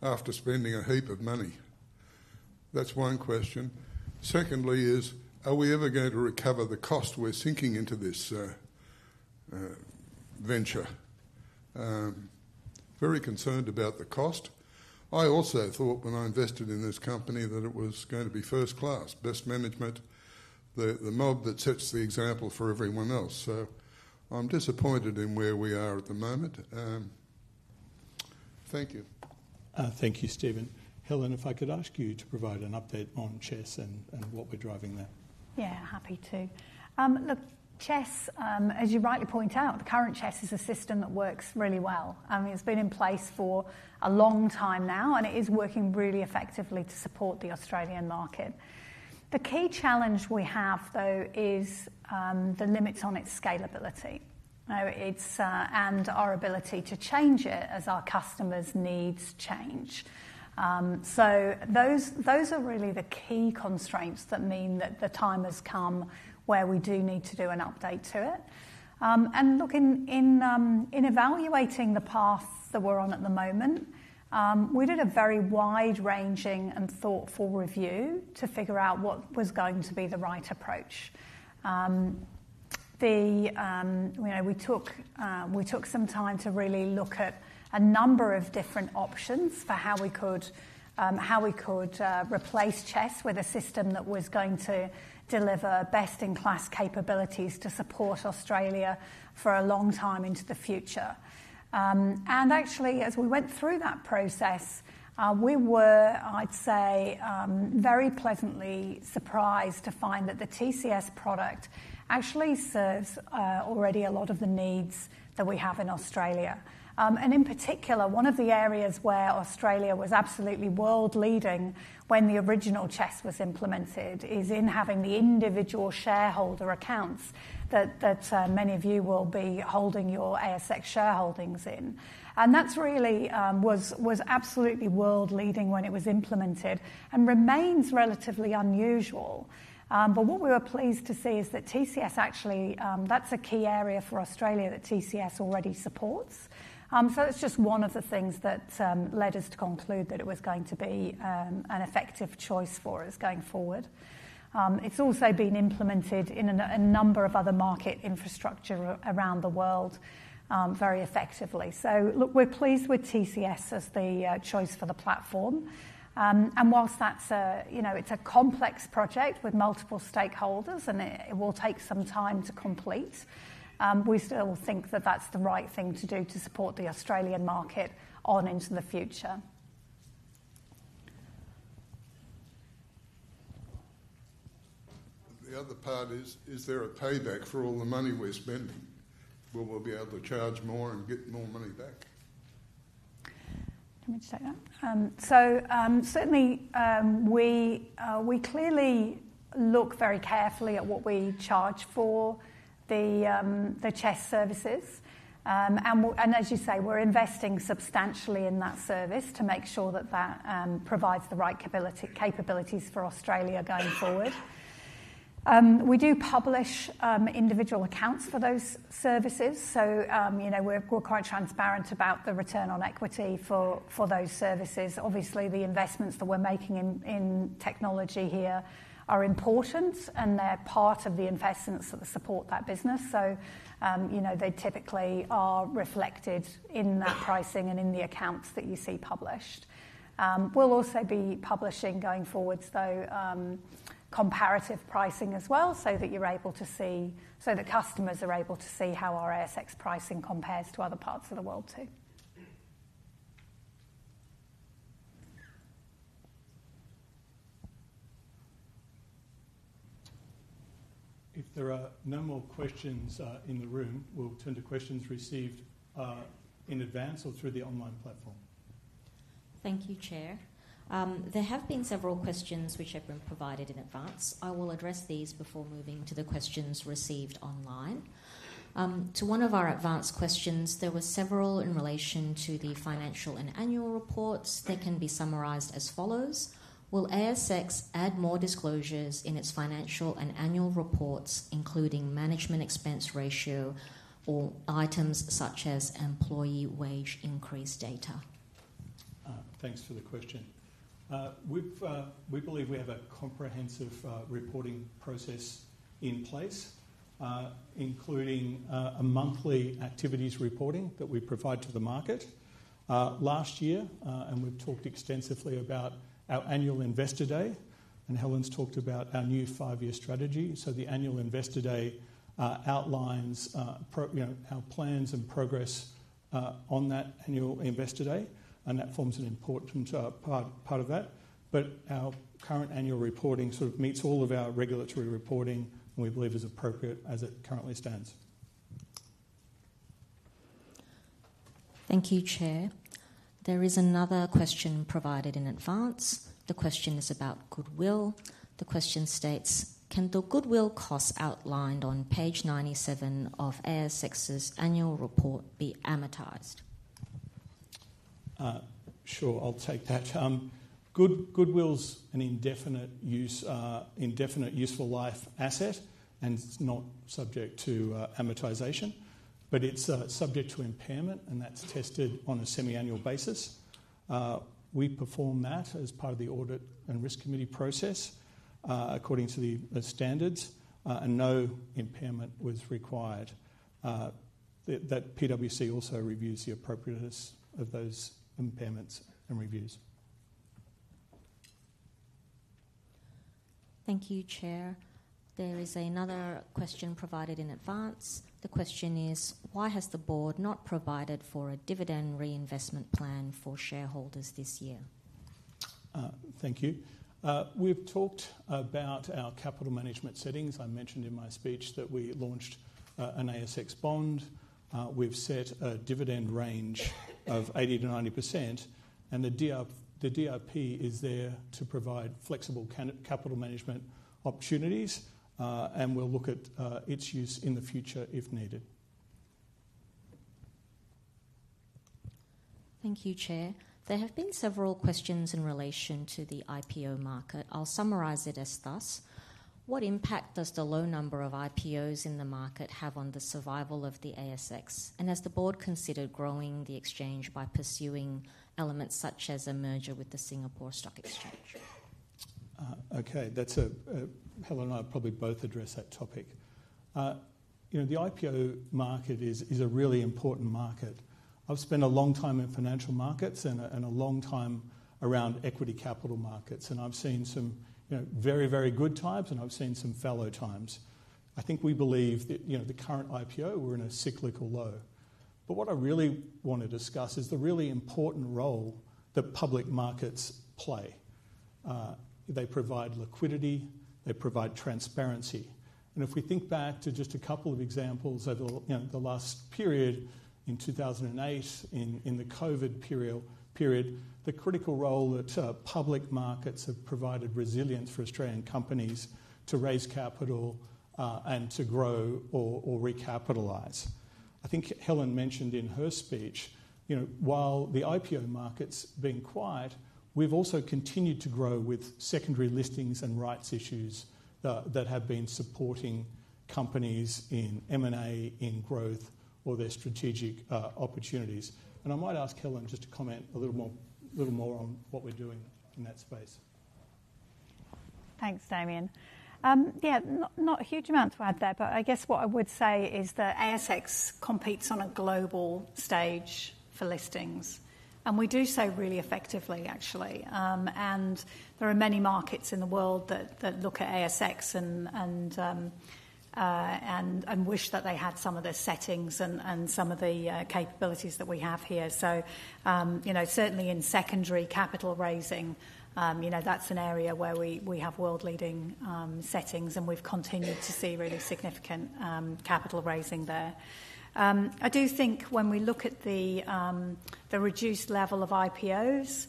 after spending a heap of money? That's one question. Secondly is, are we ever going to recover the cost we're sinking into this venture? Very concerned about the cost. I also thought when I invested in this company that it was going to be first class, best management, the mob that sets the example for everyone else, so I'm disappointed in where we are at the moment. Thank you. Thank you, Stephen. Helen, if I could ask you to provide an update on CHESS and what we're driving there. Yeah, happy to. Look, CHESS, as you rightly point out, the current CHESS is a system that works really well, and it's been in place for a long time now, and it is working really effectively to support the Australian market. The key challenge we have, though, is the limits on its scalability. And our ability to change it as our customers' needs change. So those are really the key constraints that mean that the time has come where we do need to do an update to it. And look, in evaluating the path that we're on at the moment, we did a very wide-ranging and thoughtful review to figure out what was going to be the right approach. You know, we took some time to really look at a number of different options for how we could replace CHESS with a system that was going to deliver best-in-class capabilities to support Australia for a long time into the future. And actually, as we went through that process, we were, I'd say, very pleasantly surprised to find that the TCS product actually serves already a lot of the needs that we have in Australia. And in particular, one of the areas where Australia was absolutely world-leading when the original CHESS was implemented is in having the individual shareholder accounts that many of you will be holding your ASX shareholdings in. And that's really was absolutely world-leading when it was implemented and remains relatively unusual. But what we were pleased to see is that TCS actually, that's a key area for Australia that TCS already supports. So it's just one of the things that led us to conclude that it was going to be an effective choice for us going forward. It's also been implemented in a number of other market infrastructures around the world very effectively. So look, we're pleased with TCS as the choice for the platform. And while that's a, you know, it's a complex project with multiple stakeholders, and it will take some time to complete, we still think that that's the right thing to do to support the Australian market on into the future. The other part is, is there a payback for all the money we're spending? Will we be able to charge more and get more money back? Do you want me to take that? So, certainly, we clearly look very carefully at what we charge for the CHESS services. And as you say, we're investing substantially in that service to make sure that provides the right capabilities for Australia going forward. We do publish individual accounts for those services, so, you know, we're quite transparent about the return on equity for those services. Obviously, the investments that we're making in technology here are important, and they're part of the investments that support that business. So, you know, they typically are reflected in that pricing and in the accounts that you see published. We'll also be publishing going forwards, though, comparative pricing as well, so that you're able to see... so that customers are able to see how our ASX pricing compares to other parts of the world, too. If there are no more questions in the room, we'll turn to questions received in advance or through the online platform. Thank you, Chair. There have been several questions which have been provided in advance. I will address these before moving to the questions received online. To one of our advance questions, there were several in relation to the financial and annual reports that can be summarized as follows: Will ASX add more disclosures in its financial and annual reports, including management expense ratio or items such as employee wage increase data? Thanks for the question. We believe we have a comprehensive reporting process in place, including a monthly activities reporting that we provide to the market. Last year and we've talked extensively about our Annual Investor Day, and Helen's talked about our new five-year strategy. The Annual Investor Day outlines you know our plans and progress on that Annual Investor Day, and that forms an important part of that. But our current annual reporting sort of meets all of our regulatory reporting, and we believe is appropriate as it currently stands. Thank you, Chair. There is another question provided in advance. The question is about goodwill. The question states: Can the goodwill costs outlined on page ninety-seven of ASX's Annual Report be amortized? Sure. I'll take that. Goodwill's an indefinite useful life asset, and it's not subject to amortization, but it's subject to impairment, and that's tested on a semi-annual basis. We perform that as part of the Audit and Risk Committee process, according to the standards, and no impairment was required. That PwC also reviews the appropriateness of those impairments and reviews. Thank you, Chair. There is another question provided in advance. The question is: Why has the board not provided for a dividend reinvestment plan for shareholders this year? Thank you. We've talked about our capital management settings. I mentioned in my speech that we launched an ASX bond. We've set a dividend range of 80%-90%, and the DRP is there to provide flexible capital management opportunities, and we'll look at its use in the future if needed. Thank you, Chair. There have been several questions in relation to the IPO market. I'll summarize it as thus: What impact does the low number of IPOs in the market have on the survival of the ASX? And has the board considered growing the exchange by pursuing elements such as a merger with the Singapore Stock Exchange? Okay, that's a Helen and I will probably both address that topic. You know, the IPO market is a really important market. I've spent a long time in financial markets and a long time around equity capital markets, and I've seen some, you know, very, very good times, and I've seen some fallow times. I think we believe that, you know, the current IPO, we're in a cyclical low. But what I really want to discuss is the really important role that public markets play. They provide liquidity, they provide transparency, and if we think back to just a couple of examples over, you know, the last period in two thousand and eight, in the COVID period, the critical role that public markets have provided resilience for Australian companies to raise capital, and to grow or recapitalize. I think Helen mentioned in her speech, you know, while the IPO market's been quiet, we've also continued to grow with secondary listings and rights issues that have been supporting companies in M&A, in growth or their strategic opportunities. And I might ask Helen just to comment a little more on what we're doing in that space. Thanks, Damian. Yeah, not a huge amount to add there, but I guess what I would say is that ASX competes on a global stage for listings, and we do so really effectively, actually. And there are many markets in the world that look at ASX and wish that they had some of their settings and some of the capabilities that we have here. So, you know, certainly in secondary capital raising, you know, that's an area where we have world-leading settings, and we've continued to see really significant capital raising there. I do think when we look at the reduced level of IPOs,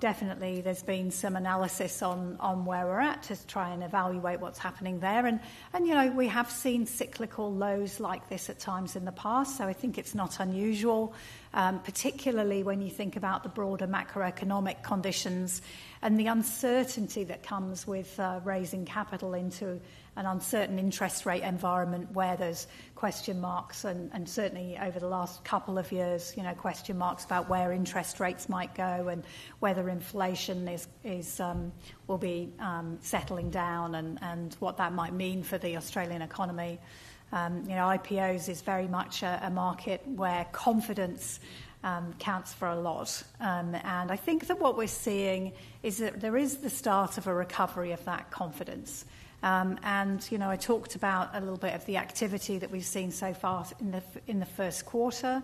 definitely there's been some analysis on where we're at to try and evaluate what's happening there and, you know, we have seen cyclical lows like this at times in the past, so I think it's not unusual, particularly when you think about the broader macroeconomic conditions and the uncertainty that comes with raising capital into an uncertain interest rate environment where there's question marks, and certainly over the last couple of years, you know, question marks about where interest rates might go and whether inflation is will be settling down and what that might mean for the Australian economy. You know, IPOs is very much a market where confidence counts for a lot. I think that what we're seeing is that there is the start of a recovery of that confidence. You know, I talked about a little bit of the activity that we've seen so far in the first quarter.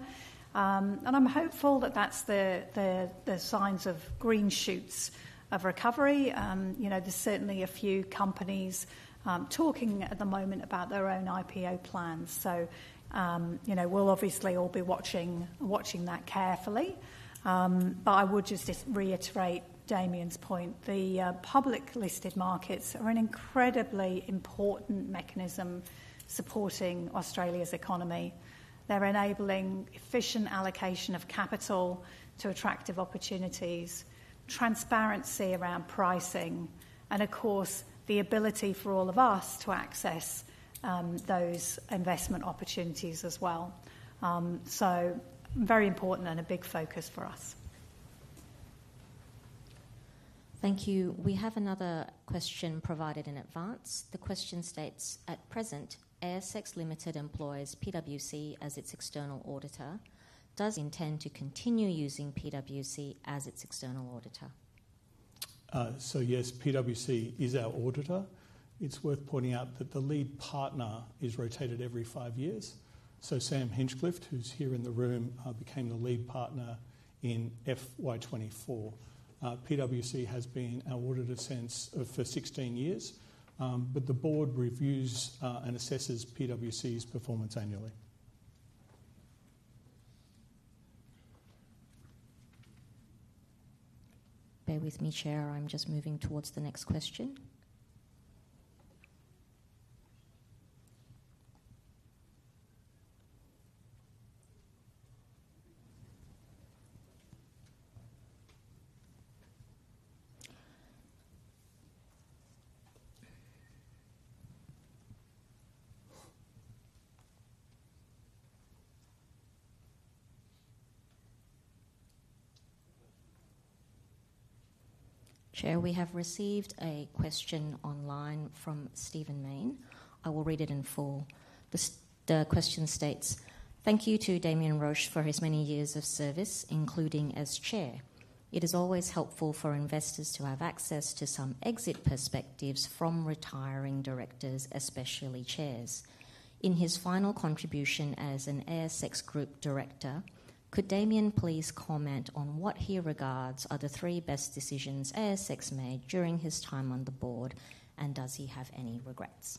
I'm hopeful that that's the signs of green shoots of recovery. You know, there's certainly a few companies talking at the moment about their own IPO plans. So, you know, we'll obviously all be watching that carefully. But I would just reiterate Damian's point: the publicly listed markets are an incredibly important mechanism supporting Australia's economy. They're enabling efficient allocation of capital to attractive opportunities, transparency around pricing, and of course, the ability for all of us to access those investment opportunities as well, so very important and a big focus for us. Thank you. We have another question provided in advance. The question states: At present, ASX Limited employs PwC as its external auditor. Does it intend to continue using PwC as its external auditor? So yes, PwC is our auditor. It's worth pointing out that the lead partner is rotated every five years. So Sam Hinchliffe, who's here in the room, became the lead partner in FY 2024. PwC has been our auditor since for sixteen years. But the board reviews and assesses PwC's performance annually. Bear with me, Chair. I'm just moving towards the next question. Chair, we have received a question online from Stephen Mayne. I will read it in full. The question states: Thank you to Damian Roche for his many years of service, including as chair. It is always helpful for investors to have access to some exit perspectives from retiring directors, especially chairs. In his final contribution as an ASX group director, could Damian please comment on what he regards are the three best decisions ASX made during his time on the board, and does he have any regrets?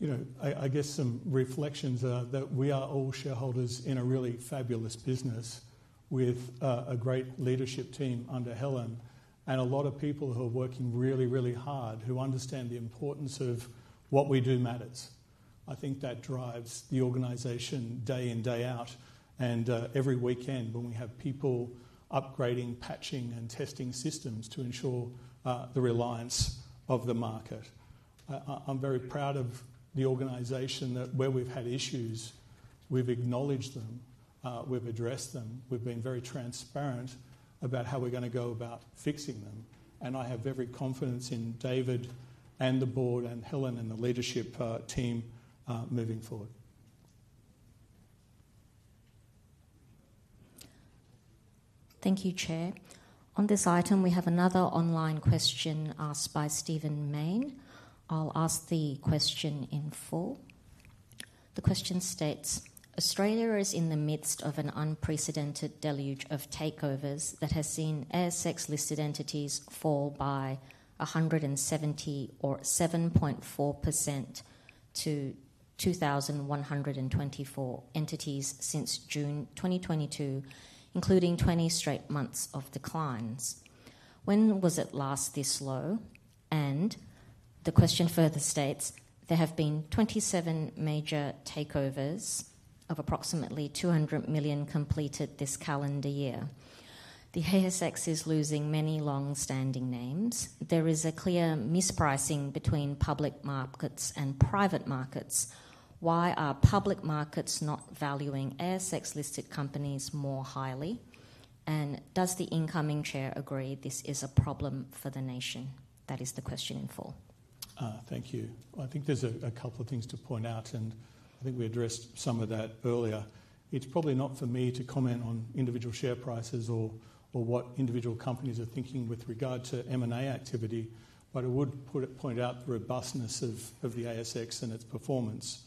You know, I guess some reflections are that we are all shareholders in a really fabulous business with a great leadership team under Helen and a lot of people who are working really, really hard, who understand the importance of what we do matters. I think that drives the organization day in, day out, and every weekend when we have people upgrading, patching, and testing systems to ensure the reliance of the market. I am very proud of the organization, that where we have had issues, we have acknowledged them, we have addressed them. We have been very transparent about how we are going to go about fixing them, and I have every confidence in David and the board, and Helen and the leadership team moving forward. Thank you, Chair. On this item, we have another online question asked by Stephen Mayne. I'll ask the question in full. The question states: Australia is in the midst of an unprecedented deluge of takeovers that has seen ASX-listed entities fall by 170, or 7.4%, to 2,124 entities since June 2022, including 20 straight months of declines. When was it last this low? And the question further states: There have been 27 major takeovers of approximately 200 million completed this calendar year. The ASX is losing many long-standing names. There is a clear mispricing between public markets and private markets. Why are public markets not valuing ASX-listed companies more highly? And does the incoming chair agree this is a problem for the nation? That is the question in full. Thank you. I think there's a couple of things to point out, and I think we addressed some of that earlier. It's probably not for me to comment on individual share prices or what individual companies are thinking with regard to M&A activity, but I would point out the robustness of the ASX and its performance.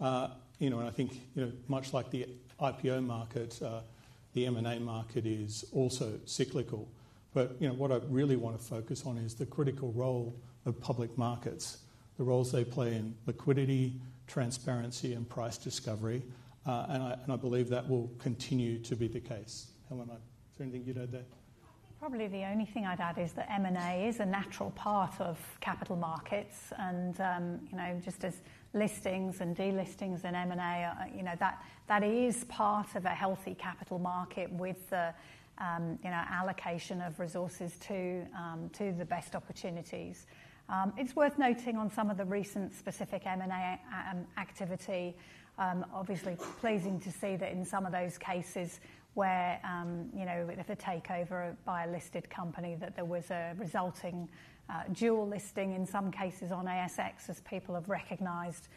You know, and I think, you know, much like the IPO market, the M&A market is also cyclical. But, you know, what I really want to focus on is the critical role of public markets, the roles they play in liquidity, transparency, and price discovery, and I believe that will continue to be the case. Helen, is there anything you'd add there? Probably the only thing I'd add is that M&A is a natural part of capital markets and, you know, just as listings and delistings and M&A, you know, that is part of a healthy capital market with the, you know, allocation of resources to the best opportunities. It's worth noting on some of the recent specific M&A activity, obviously it's pleasing to see that in some of those cases where, you know, with a takeover by a listed company, that there was a resulting dual listing in some cases on ASX, as people have recognized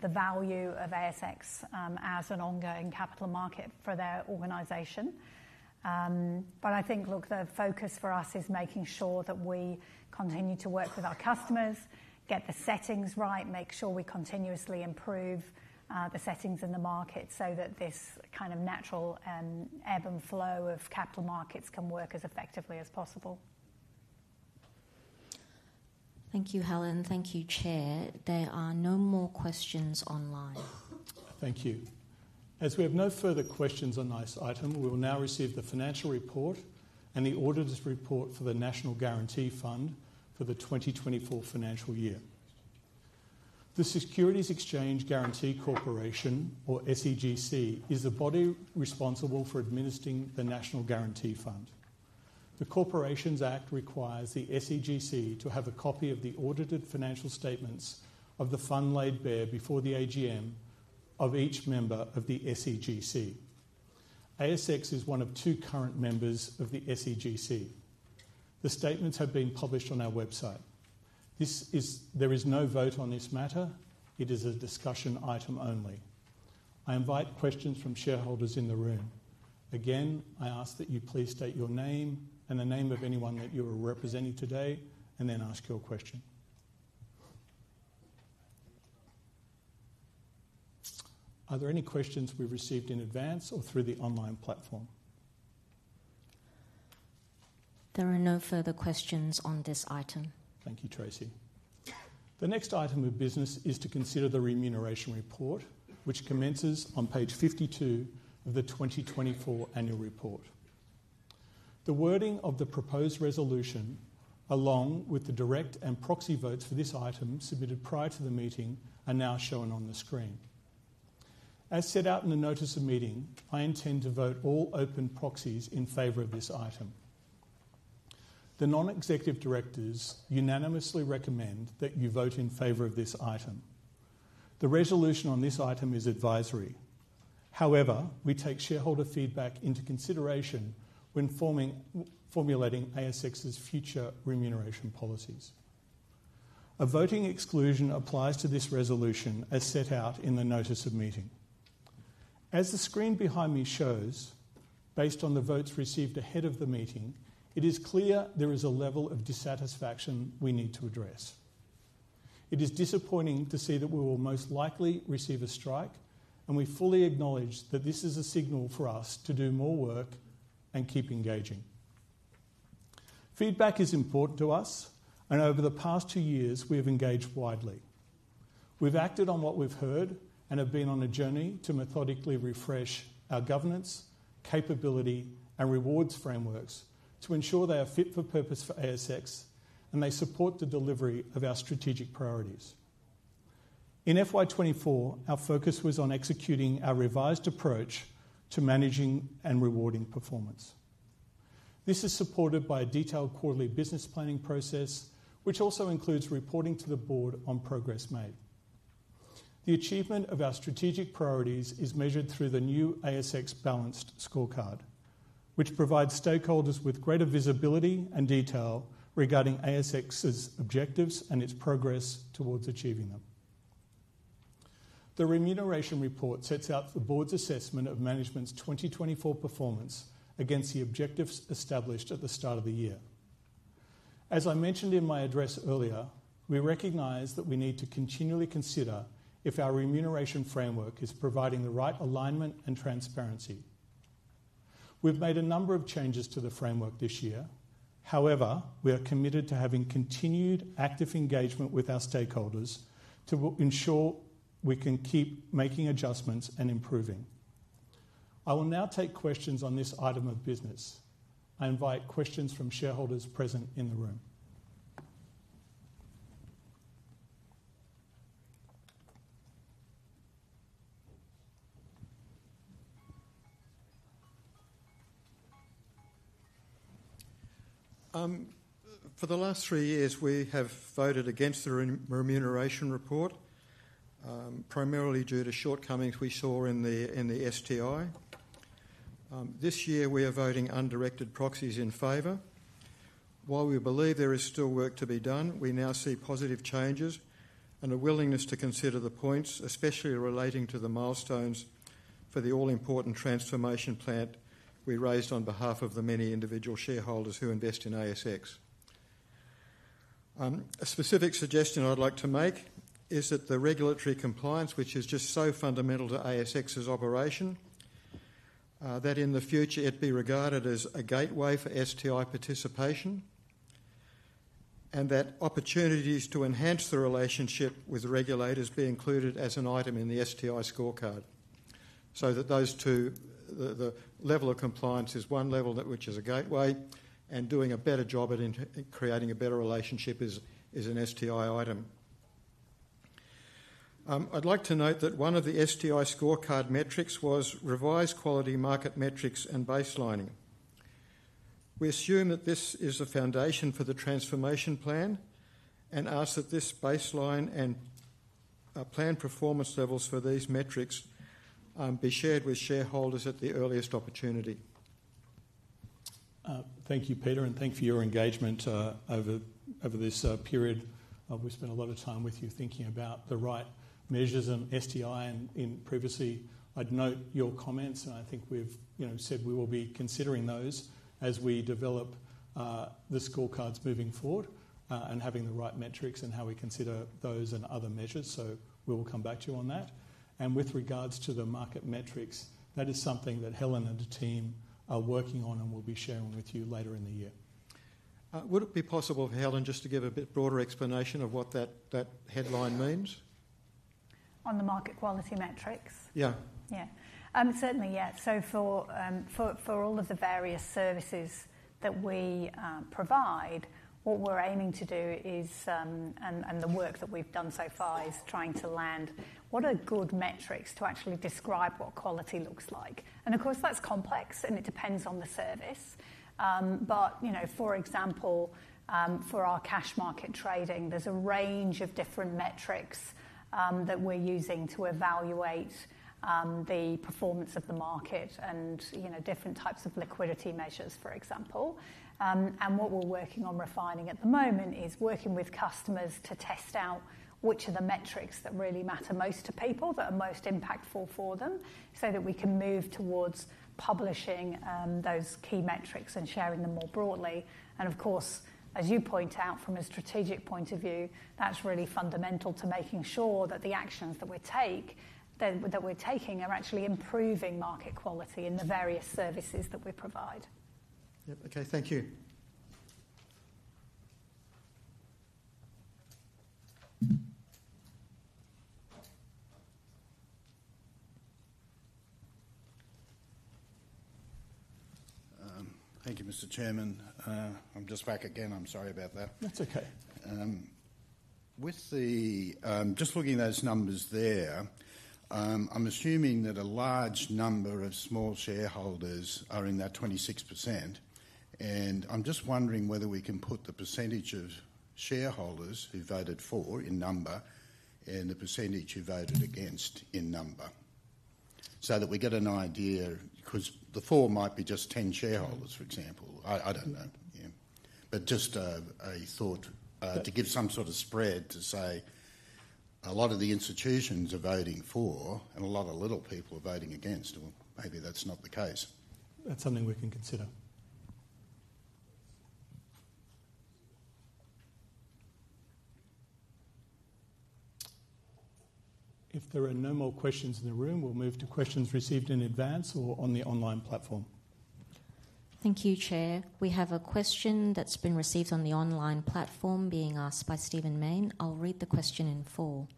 the value of ASX as an ongoing capital market for their organization. But I think, look, the focus for us is making sure that we continue to work with our customers, get the settings right, make sure we continuously improve the settings in the market so that this kind of natural ebb and flow of capital markets can work as effectively as possible. Thank you, Helen. Thank you, Chair. There are no more questions online. Thank you. As we have no further questions on this item, we will now receive the financial report and the auditor's report for the National Guarantee Fund for the 2024 financial year. The Securities Exchange Guarantee Corporation, or SEGC, is the body responsible for administering the National Guarantee Fund. The Corporations Act requires the SEGC to have a copy of the audited financial statements of the fund laid before the AGM of each member of the SEGC. ASX is one of two current members of the SEGC. The statements have been published on our website. There is no vote on this matter. It is a discussion item only. I invite questions from shareholders in the room. Again, I ask that you please state your name and the name of anyone that you are representing today, and then ask your question. Are there any questions we received in advance or through the online platform? There are no further questions on this item. Thank you, Tracy. The next item of business is to consider the Remuneration Report, which commences on page 52 of the 2024 annual report. The wording of the proposed resolution, along with the direct and proxy votes for this item submitted prior to the meeting, are now shown on the screen. As set out in the Notice of Meeting, I intend to vote all open proxies in favor of this item. The non-executive directors unanimously recommend that you vote in favor of this item. The resolution on this item is advisory. However, we take shareholder feedback into consideration when forming, formulating ASX's future remuneration policies. A voting exclusion applies to this resolution as set out in the Notice of Meeting. As the screen behind me shows, based on the votes received ahead of the meeting, it is clear there is a level of dissatisfaction we need to address. It is disappointing to see that we will most likely receive a strike, and we fully acknowledge that this is a signal for us to do more work and keep engaging. Feedback is important to us, and over the past two years, we have engaged widely. We've acted on what we've heard and have been on a journey to methodically refresh our governance, capability, and rewards frameworks to ensure they are fit for purpose for ASX and they support the delivery of our strategic priorities. In FY 2024, our focus was on executing our revised approach to managing and rewarding performance. This is supported by a detailed quarterly business planning process, which also includes reporting to the board on progress made. The achievement of our strategic priorities is measured through the new ASX Balanced Scorecard, which provides stakeholders with greater visibility and detail regarding ASX's objectives and its progress towards achieving them. The Remuneration Report sets out the board's assessment of management's 2024 performance against the objectives established at the start of the year. As I mentioned in my address earlier, we recognize that we need to continually consider if our remuneration framework is providing the right alignment and transparency. We've made a number of changes to the framework this year. However, we are committed to having continued active engagement with our stakeholders to ensure we can keep making adjustments and improving. I will now take questions on this item of business. I invite questions from shareholders present in the room. For the last three years, we have voted against the Remuneration Report, primarily due to shortcomings we saw in the STI. This year, we are voting undirected proxies in favor. While we believe there is still work to be done, we now see positive changes and a willingness to consider the points, especially relating to the milestones for the all-important transformation plan we raised on behalf of the many individual shareholders who invest in ASX. A specific suggestion I'd like to make is that the regulatory compliance, which is just so fundamental to ASX's operation, that in the future it be regarded as a gateway for STI participation, and that opportunities to enhance the relationship with regulators be included as an item in the STI scorecard. So that those two, the level of compliance is one level which is a gateway, and doing a better job at creating a better relationship is an STI item. I'd like to note that one of the STI scorecard metrics was revised quality market metrics and baselining. We assume that this is a foundation for the transformation plan and ask that this baseline and planned performance levels for these metrics be shared with shareholders at the earliest opportunity. Thank you, Peter, and thank you for your engagement over this period. We spent a lot of time with you thinking about the right measures and STI and in previously. I'd note your comments, and I think we've, you know, said we will be considering those as we develop the scorecards moving forward, and having the right metrics and how we consider those and other measures. So we will come back to you on that. And with regards to the market metrics, that is something that Helen and the team are working on and will be sharing with you later in the year. Would it be possible for Helen just to give a bit broader explanation of what that headline means? On the market quality metrics? Yeah. Yeah. Certainly, yeah, so for all of the various services that we provide, what we're aiming to do is, and the work that we've done so far is trying to land what are good metrics to actually describe what quality looks like. Of course, that's complex, and it depends on the service. You know, for example, for our cash market trading, there's a range of different metrics that we're using to evaluate the performance of the market and, you know, different types of liquidity measures, for example. What we're working on refining at the moment is working with customers to test out which are the metrics that really matter most to people, that are most impactful for them, so that we can move towards publishing those key metrics and sharing them more broadly. Of course, as you point out from a strategic point of view, that's really fundamental to making sure that the actions that we take, that we're taking, are actually improving market quality in the various services that we provide. Yep. Okay. Thank you. Thank you, Mr. Chairman. I'm just back again. I'm sorry about that. That's okay. Just looking at those numbers there, I'm assuming that a large number of small shareholders are in that 26%, and I'm just wondering whether we can put the percentage of shareholders who voted for in number and the percentage who voted against in number, so that we get an idea, 'cause the four might be just 10 shareholders, for example. I don't know. Yeah. But just a thought to give some sort of spread to say a lot of the institutions are voting for and a lot of little people are voting against, or maybe that's not the case. That's something we can consider. If there are no more questions in the room, we'll move to questions received in advance or on the online platform. Thank you, Chair. We have a question that's been received on the online platform being asked by Stephen Mayne. I'll read the question in full.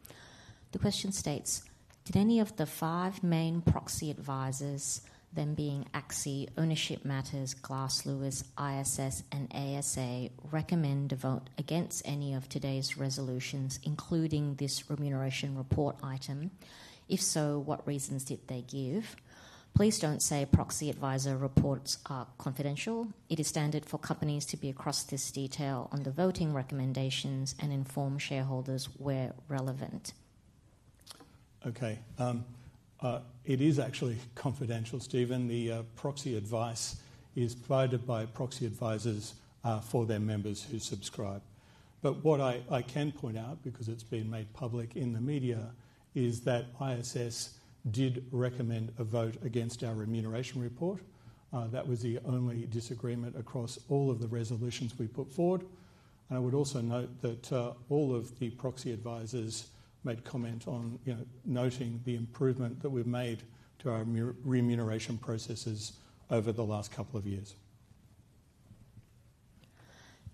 The question states: Did any of the five main proxy advisors, them being ACSI, Ownership Matters, Glass Lewis, ISS, and ASA, recommend a vote against any of today's resolutions, including this Remuneration Report item? If so, what reasons did they give? Please don't say proxy advisor reports are confidential. It is standard for companies to be across this detail on the voting recommendations and inform shareholders where relevant. Okay, it is actually confidential, Stephen. The proxy advice is provided by proxy advisors for their members who subscribe. But what I can point out, because it's been made public in the media, is that ISS did recommend a vote against our Remuneration Report. That was the only disagreement across all of the resolutions we put forward. And I would also note that all of the proxy advisors made comment on, you know, noting the improvement that we've made to our remuneration processes over the last couple of years.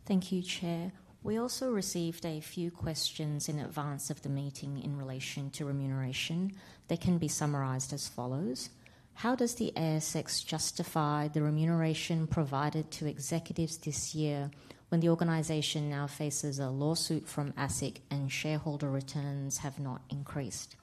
Thank you, Chair. We also received a few questions in advance of the meeting in relation to remuneration. They can be summarized as follows: How does the ASX justify the remuneration provided to executives this year when the organization now faces a lawsuit from ASIC and shareholder returns have not increased?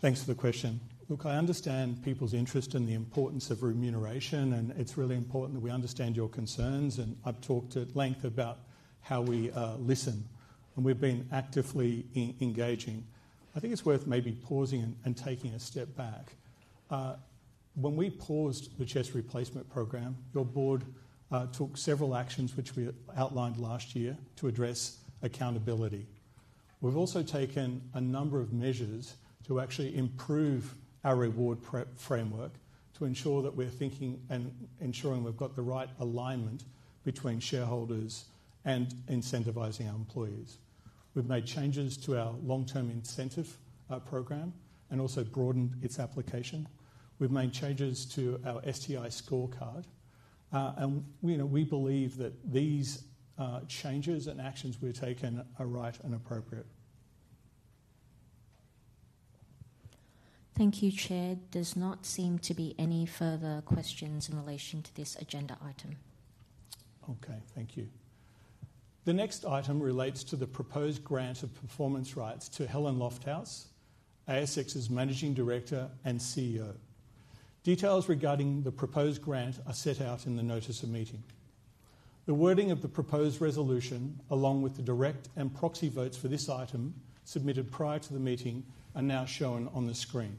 Thanks for the question. Look, I understand people's interest in the importance of remuneration, and it's really important that we understand your concerns, and I've talked at length about how we listen, and we've been actively engaging. I think it's worth maybe pausing and taking a step back. When we paused the CHESS replacement program, your board took several actions, which we outlined last year, to address accountability. We've also taken a number of measures to actually improve our remuneration framework to ensure that we're thinking and ensuring we've got the right alignment between shareholders and incentivizing our employees. We've made changes to our long-term incentive program, and also broadened its application. We've made changes to our STI scorecard, and you know, we believe that these changes and actions we've taken are right and appropriate. Thank you, Chair. There does not seem to be any further questions in relation to this agenda item. Okay. Thank you. The next item relates to the proposed grant of performance rights to Helen Lofthouse, ASX's Managing Director and CEO. Details regarding the proposed grant are set out in the Notice of Meeting. The wording of the proposed resolution, along with the direct and proxy votes for this item submitted prior to the meeting, are now shown on the screen.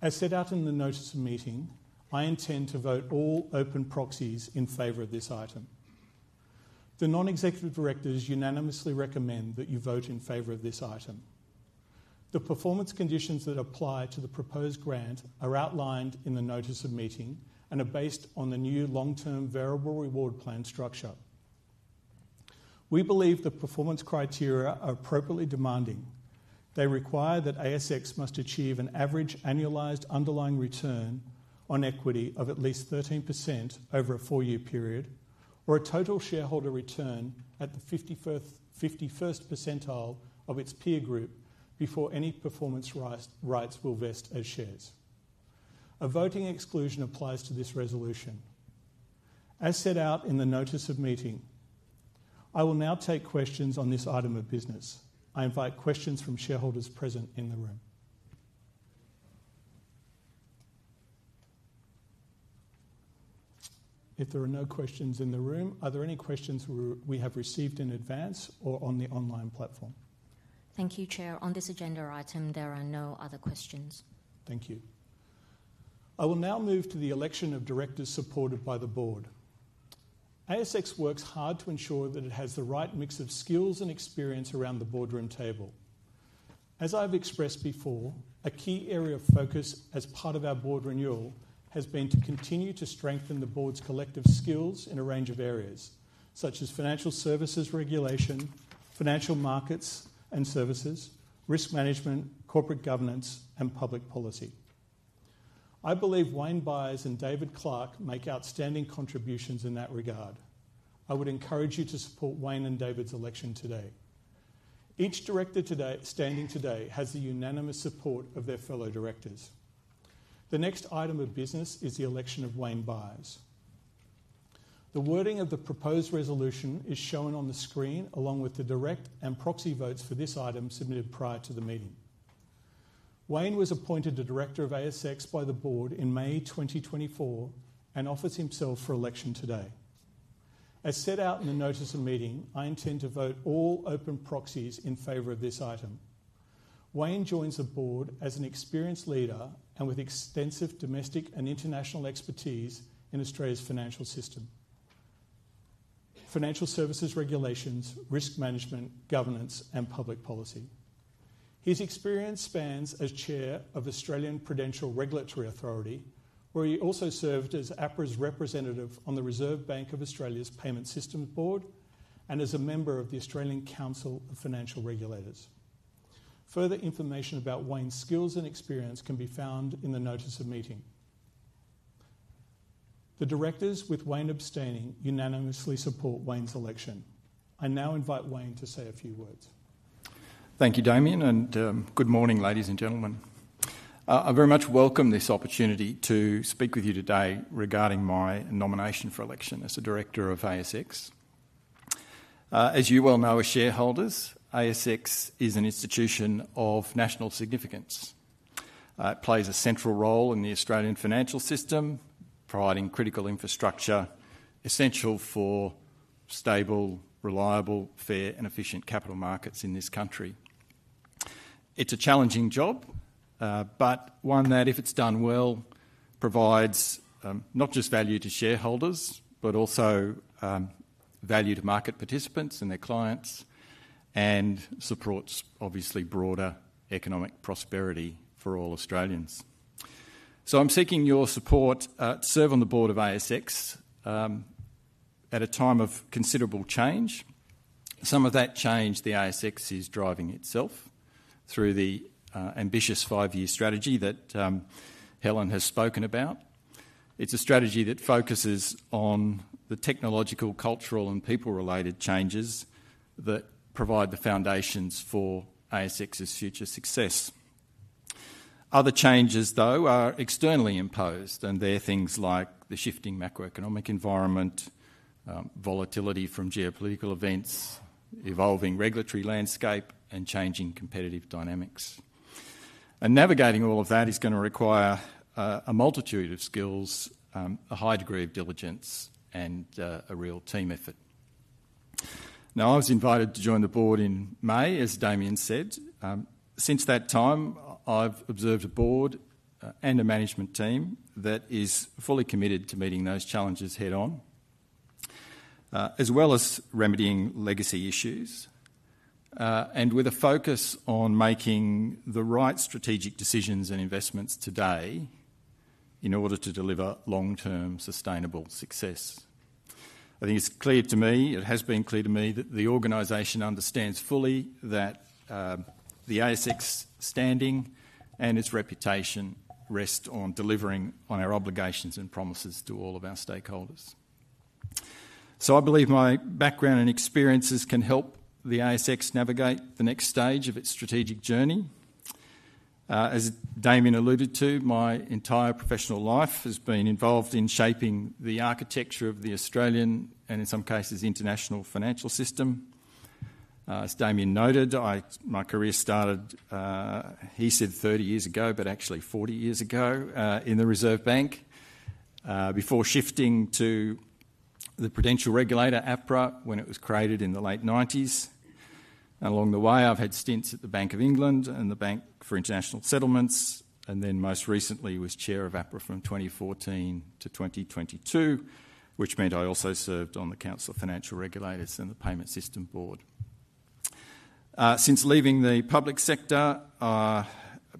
As set out in the Notice of Meeting, I intend to vote all open proxies in favor of this item. The non-executive directors unanimously recommend that you vote in favor of this item. The performance conditions that apply to the proposed grant are outlined in the Notice of Meeting and are based on the new long-term variable reward plan structure. We believe the performance criteria are appropriately demanding. They require that ASX must achieve an average annualized underlying return on equity of at least 13% over a four-year period, or a total shareholder return at the 51st percentile of its peer group before any performance rights will vest as shares. A voting exclusion applies to this resolution, as set out in the Notice of Meeting. I will now take questions on this item of business. I invite questions from shareholders present in the room. If there are no questions in the room, are there any questions we have received in advance or on the online platform? Thank you, Chair. On this agenda item, there are no other questions. Thank you. I will now move to the election of directors supported by the board. ASX works hard to ensure that it has the right mix of skills and experience around the boardroom table. As I've expressed before, a key area of focus as part of our board renewal has been to continue to strengthen the board's collective skills in a range of areas, such as financial services regulation, financial markets and services, risk management, corporate governance, and public policy. I believe Wayne Byres and David Clarke make outstanding contributions in that regard. I would encourage you to support Wayne and David's election today. Each director today standing today has the unanimous support of their fellow directors. The next item of business is the election of Wayne Byres. The wording of the proposed resolution is shown on the screen, along with the direct and proxy votes for this item submitted prior to the meeting. Wayne was appointed a director of ASX by the board in May 2024 and offers himself for election today. As set out in the Notice of Meeting, I intend to vote all open proxies in favor of this item. Wayne joins the board as an experienced leader and with extensive domestic and international expertise in Australia's financial system, financial services regulations, risk management, governance, and public policy. His experience spans as Chair of the Australian Prudential Regulation Authority, where he also served as APRA's representative on the Reserve Bank of Australia's Payments System Board and as a member of the Australian Council of Financial Regulators. Further information about Wayne's skills and experience can be found in the Notice of Meeting. The directors, with Wayne abstaining, unanimously support Wayne's election. I now invite Wayne to say a few words. Thank you, Damian, and good morning, ladies and gentlemen. I very much welcome this opportunity to speak with you today regarding my nomination for election as a director of ASX. As you well know, as shareholders, ASX is an institution of national significance. It plays a central role in the Australian financial system, providing critical infrastructure essential for stable, reliable, fair, and efficient capital markets in this country. It's a challenging job, but one that, if it's done well, provides not just value to shareholders, but also value to market participants and their clients, and supports, obviously, broader economic prosperity for all Australians. So I'm seeking your support to serve on the board of ASX at a time of considerable change. Some of that change, the ASX is driving itself through the ambitious five-year strategy that Helen has spoken about. It's a strategy that focuses on the technological, cultural, and people-related changes that provide the foundations for ASX's future success. Other changes, though, are externally imposed, and they're things like the shifting macroeconomic environment, volatility from geopolitical events, evolving regulatory landscape, and changing competitive dynamics. And navigating all of that is going to require a multitude of skills, a high degree of diligence, and a real team effort. Now, I was invited to join the board in May, as Damian said. Since that time, I've observed a board and a management team that is fully committed to meeting those challenges head-on, as well as remedying legacy issues and with a focus on making the right strategic decisions and investments today in order to deliver long-term sustainable success. I think it's clear to me, it has been clear to me, that the organization understands fully that the ASX standing and its reputation rest on delivering on our obligations and promises to all of our stakeholders. So I believe my background and experiences can help the ASX navigate the next stage of its strategic journey. As Damian alluded to, my entire professional life has been involved in shaping the architecture of the Australian, and in some cases, international financial system. As Damian noted, my career started, he said 30 years ago, but actually forty years ago, in the Reserve Bank, before shifting to the Prudential Regulator, APRA, when it was created in the late nineties. Along the way, I've had stints at the Bank of England and the Bank for International Settlements, and then most recently was chair of APRA from 2014 to 2022, which meant I also served on the Council of Financial Regulators and the Payments System Board. Since leaving the public sector,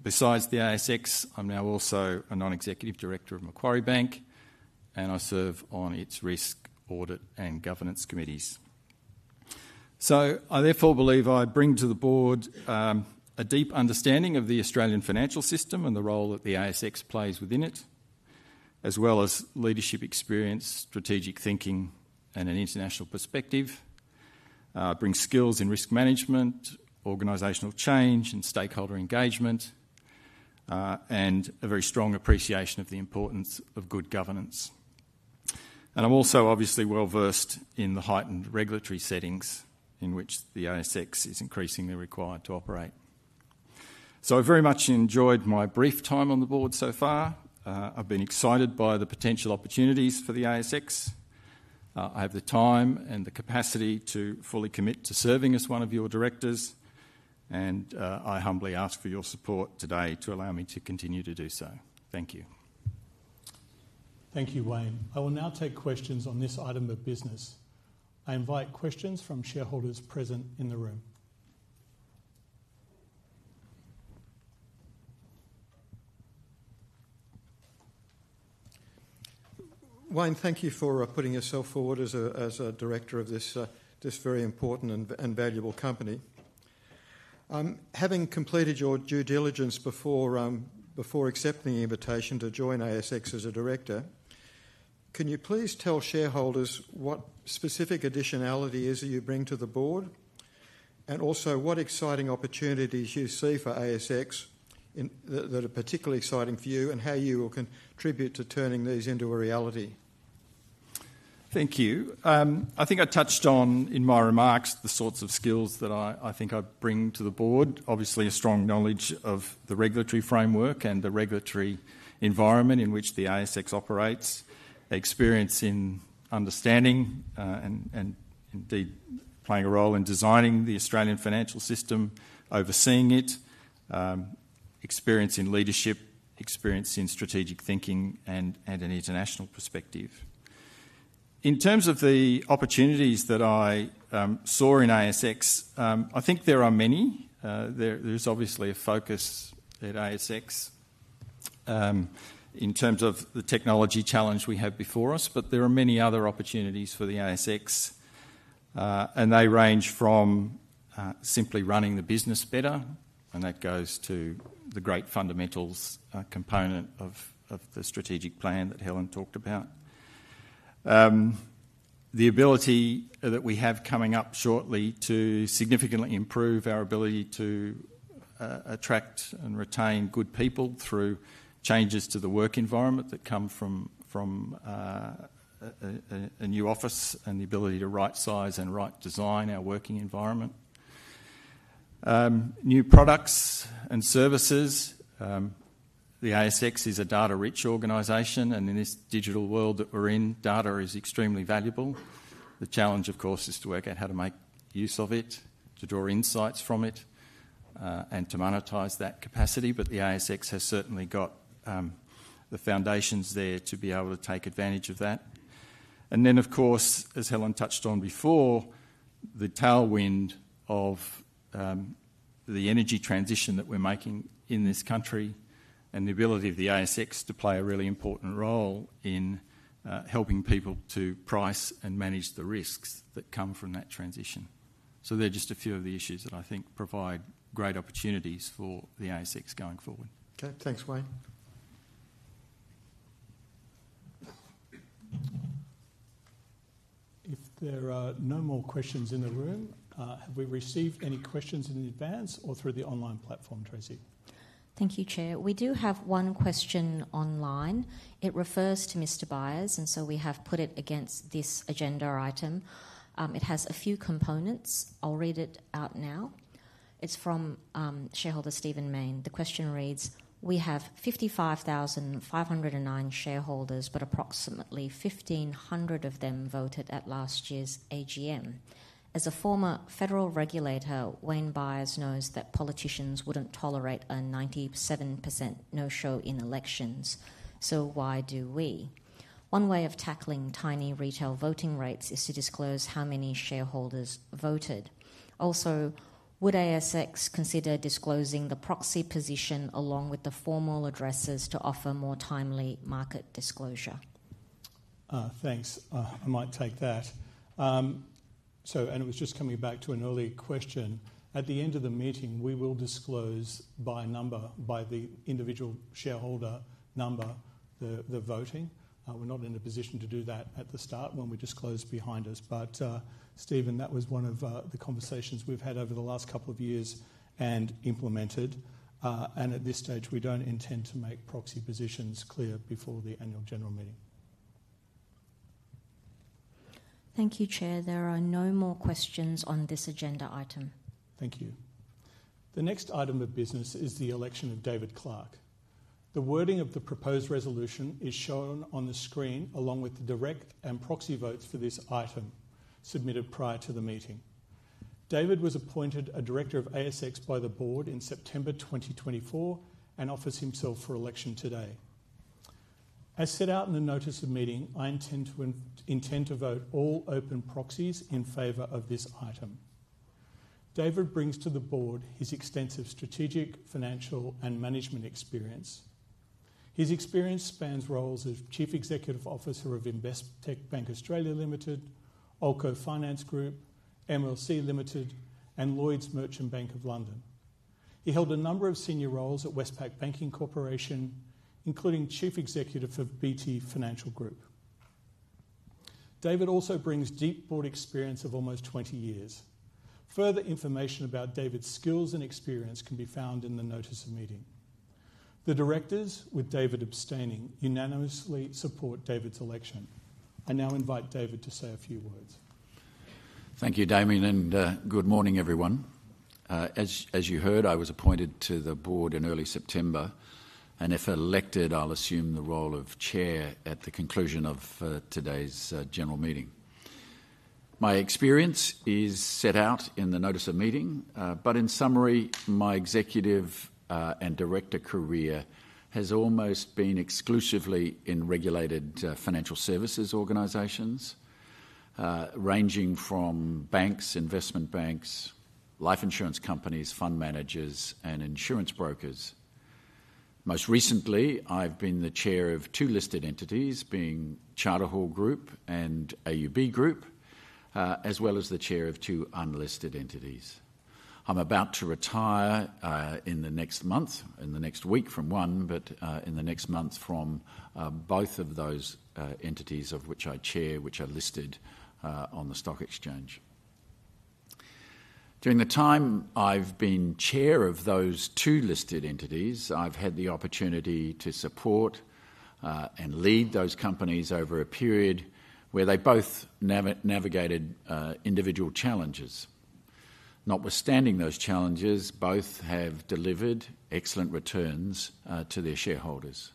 besides the ASX, I'm now also a non-executive director of Macquarie Bank, and I serve on its Risk, Audit and Governance Committees. So I therefore believe I bring to the board, a deep understanding of the Australian financial system and the role that the ASX plays within it, as well as leadership experience, strategic thinking, and an international perspective. I bring skills in risk management, organizational change, and stakeholder engagement, and a very strong appreciation of the importance of good governance, and I'm also obviously well-versed in the heightened regulatory settings in which the ASX is increasingly required to operate, so I very much enjoyed my brief time on the board so far. I've been excited by the potential opportunities for the ASX. I have the time and the capacity to fully commit to serving as one of your directors, and, I humbly ask for your support today to allow me to continue to do so. Thank you. Thank you, Wayne. I will now take questions on this item of business. I invite questions from shareholders present in the room. Wayne, thank you for putting yourself forward as a director of this very important and valuable company. Having completed your due diligence before accepting the invitation to join ASX as a director, can you please tell shareholders what specific additionality is that you bring to the board? And also, what exciting opportunities you see for ASX that are particularly exciting for you, and how you will contribute to turning these into a reality? Thank you. I think I touched on, in my remarks, the sorts of skills that I think I bring to the board. Obviously, a strong knowledge of the regulatory framework and the regulatory environment in which the ASX operates, experience in understanding, and indeed, playing a role in designing the Australian financial system, overseeing it, experience in leadership, experience in strategic thinking, and an international perspective. In terms of the opportunities that I saw in ASX, I think there are many. There is obviously a focus at ASX, in terms of the technology challenge we have before us, but there are many other opportunities for the ASX, and they range from simply running the business better, and that goes to the great fundamentals component of the strategic plan that Helen talked about. The ability that we have coming up shortly to significantly improve our ability to attract and retain good people through changes to the work environment that come from a new office, and the ability to right size and right design our working environment. New products and services. The ASX is a data-rich organization, and in this digital world that we're in, data is extremely valuable. The challenge, of course, is to work out how to make use of it, to draw insights from it and to monetize that capacity. But the ASX has certainly got the foundations there to be able to take advantage of that. And then, of course, as Helen touched on before, the tailwind of the energy transition that we're making in this country and the ability of the ASX to play a really important role in helping people to price and manage the risks that come from that transition. So they're just a few of the issues that I think provide great opportunities for the ASX going forward. Okay, thanks, Wayne. If there are no more questions in the room, have we received any questions in advance or through the online platform, Tracy? Thank you, Chair. We do have one question online. It refers to Mr. Byres, and so we have put it against this agenda item. It has a few components. I'll read it out now. It's from shareholder Stephen Mayne. The question reads: We have 55,509 shareholders, but approximately 1,500 of them voted at last year's AGM. As a former federal regulator, Wayne Byres knows that politicians wouldn't tolerate a 97% no-show in elections, so why do we? One way of tackling tiny retail voting rates is to disclose how many shareholders voted. Also, would ASX consider disclosing the proxy position along with the formal addresses to offer more timely market disclosure? Thanks. I might take that. So, and it was just coming back to an earlier question. At the end of the meeting, we will disclose by number, by the individual shareholder number, the voting. We're not in a position to do that at the start when we disclose behind us. But, Stephen, that was one of the conversations we've had over the last couple of years and implemented. And at this stage, we don't intend to make proxy positions clear before the annual general meeting. Thank you, Chair. There are no more questions on this agenda item. Thank you. The next item of business is the election of David Clarke. The wording of the proposed resolution is shown on the screen, along with the direct and proxy votes for this item submitted prior to the meeting. David was appointed a director of ASX by the board in September 2024 and offers himself for election today. As set out in the Notice of Meeting, I intend to vote all open proxies in favor of this item. David brings to the board his extensive strategic, financial, and management experience. His experience spans roles of Chief Executive Officer of Investec Bank Australia Limited, Allco Finance Group, MLC Limited, and Lloyds Merchant Bank of London. He held a number of senior roles at Westpac Banking Corporation, including Chief Executive of BT Financial Group. David also brings deep board experience of almost 20 years. Further information about David's skills and experience can be found in the Notice of Meeting. The directors, with David abstaining, unanimously support David's election. I now invite David to say a few words. Thank you, Damian, and, good morning, everyone. As you heard, I was appointed to the board in early September, and if elected, I'll assume the role of Chair at the conclusion of today's general meeting. My experience is set out in the Notice of Meeting, but in summary, my executive and director career has almost been exclusively in regulated financial services organizations, ranging from banks, investment banks, life insurance companies, fund managers, and insurance brokers. Most recently, I've been the chair of two listed entities, being Charter Hall Group and AUB Group, as well as the chair of two unlisted entities. I'm about to retire in the next month, in the next week from one, but in the next month from both of those entities of which I chair, which are listed on the stock exchange. During the time I've been chair of those two listed entities, I've had the opportunity to support and lead those companies over a period where they both navigated individual challenges. Notwithstanding those challenges, both have delivered excellent returns to their shareholders.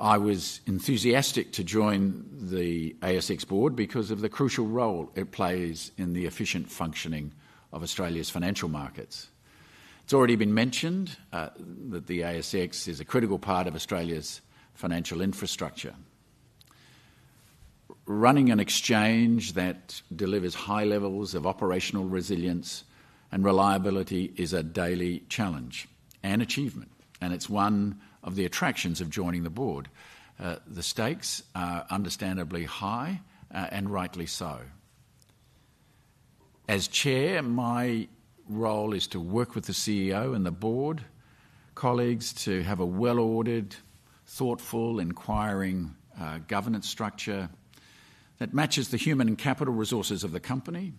I was enthusiastic to join the ASX board because of the crucial role it plays in the efficient functioning of Australia's financial markets. It's already been mentioned that the ASX is a critical part of Australia's financial infrastructure. Running an exchange that delivers high levels of operational resilience and reliability is a daily challenge and achievement.... And it's one of the attractions of joining the board. The stakes are understandably high, and rightly so. As chair, my role is to work with the CEO and the board colleagues to have a well-ordered, thoughtful, inquiring governance structure that matches the human and capital resources of the company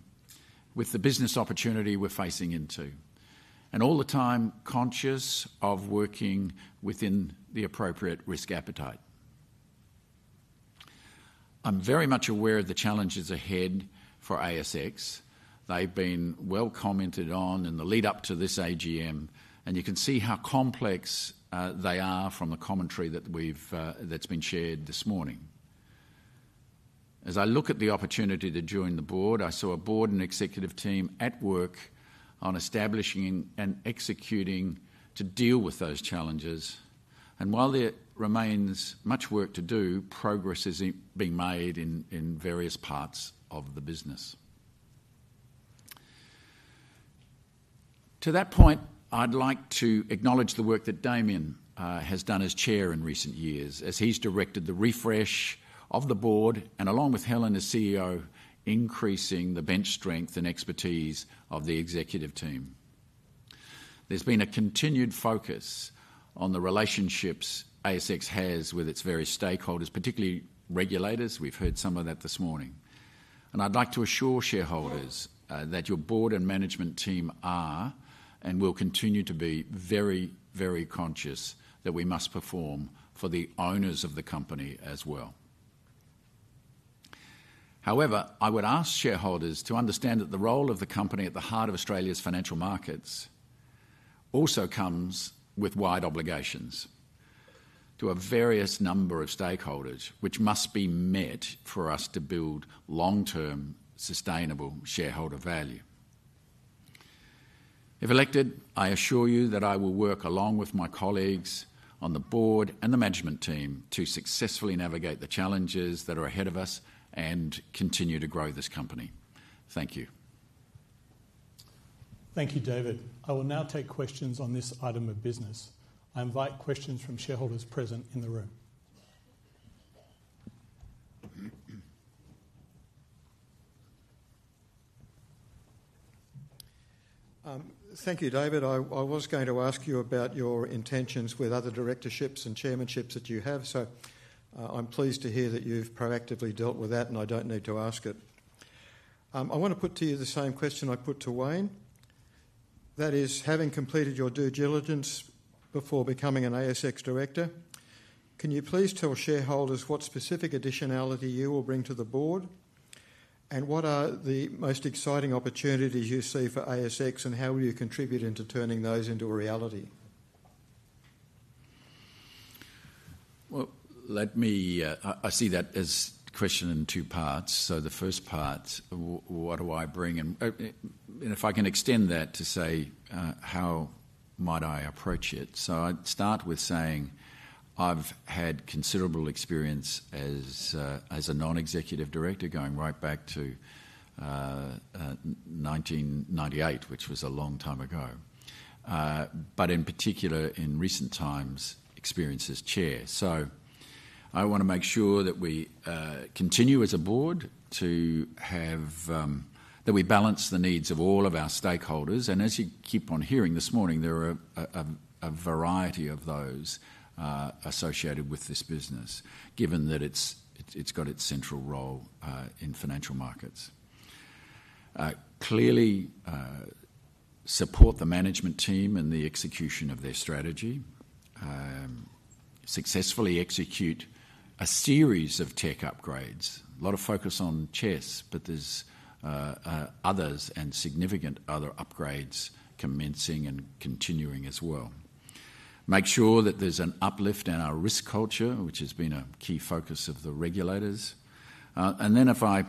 with the business opportunity we're facing into, and all the time conscious of working within the appropriate risk appetite. I'm very much aware of the challenges ahead for ASX. They've been well commented on in the lead-up to this AGM, and you can see how complex they are from the commentary that's been shared this morning. As I look at the opportunity to join the board, I saw a board and executive team at work on establishing and executing to deal with those challenges, and while there remains much work to do, progress is being made in various parts of the business. To that point, I'd like to acknowledge the work that Damian has done as chair in recent years, as he's directed the refresh of the board and, along with Helen, the CEO, increasing the bench strength and expertise of the executive team. There's been a continued focus on the relationships ASX has with its various stakeholders, particularly regulators. We've heard some of that this morning, and I'd like to assure shareholders that your board and management team are and will continue to be very, very conscious that we must perform for the owners of the company as well. However, I would ask shareholders to understand that the role of the company at the heart of Australia's financial markets also comes with wide obligations to a various number of stakeholders, which must be met for us to build long-term, sustainable shareholder value. If elected, I assure you that I will work along with my colleagues on the board and the management team to successfully navigate the challenges that are ahead of us and continue to grow this company. Thank you. Thank you, David. I will now take questions on this item of business. I invite questions from shareholders present in the room. Thank you, David. I was going to ask you about your intentions with other directorships and chairmanships that you have, so, I'm pleased to hear that you've proactively dealt with that, and I don't need to ask it. I want to put to you the same question I put to Wayne. That is, having completed your due diligence before becoming an ASX director, can you please tell shareholders what specific additionality you will bring to the board, and what are the most exciting opportunities you see for ASX, and how will you contribute into turning those into a reality? Well, let me. I see that as a question in two parts. So the first part, what do I bring? And if I can extend that to say, how might I approach it? So I'd start with saying I've had considerable experience as a non-executive director, going right back to nineteen ninety-eight, which was a long time ago, but in particular, in recent times, experience as chair. So I want to make sure that we continue as a board to have that we balance the needs of all of our stakeholders, and as you keep on hearing this morning, there are a variety of those associated with this business, given that it's got its central role in financial markets. Clearly, support the management team and the execution of their strategy. Successfully execute a series of tech upgrades. A lot of focus on CHESS, but there's others and significant other upgrades commencing and continuing as well. Make sure that there's an uplift in our risk culture, which has been a key focus of the regulators, and then if I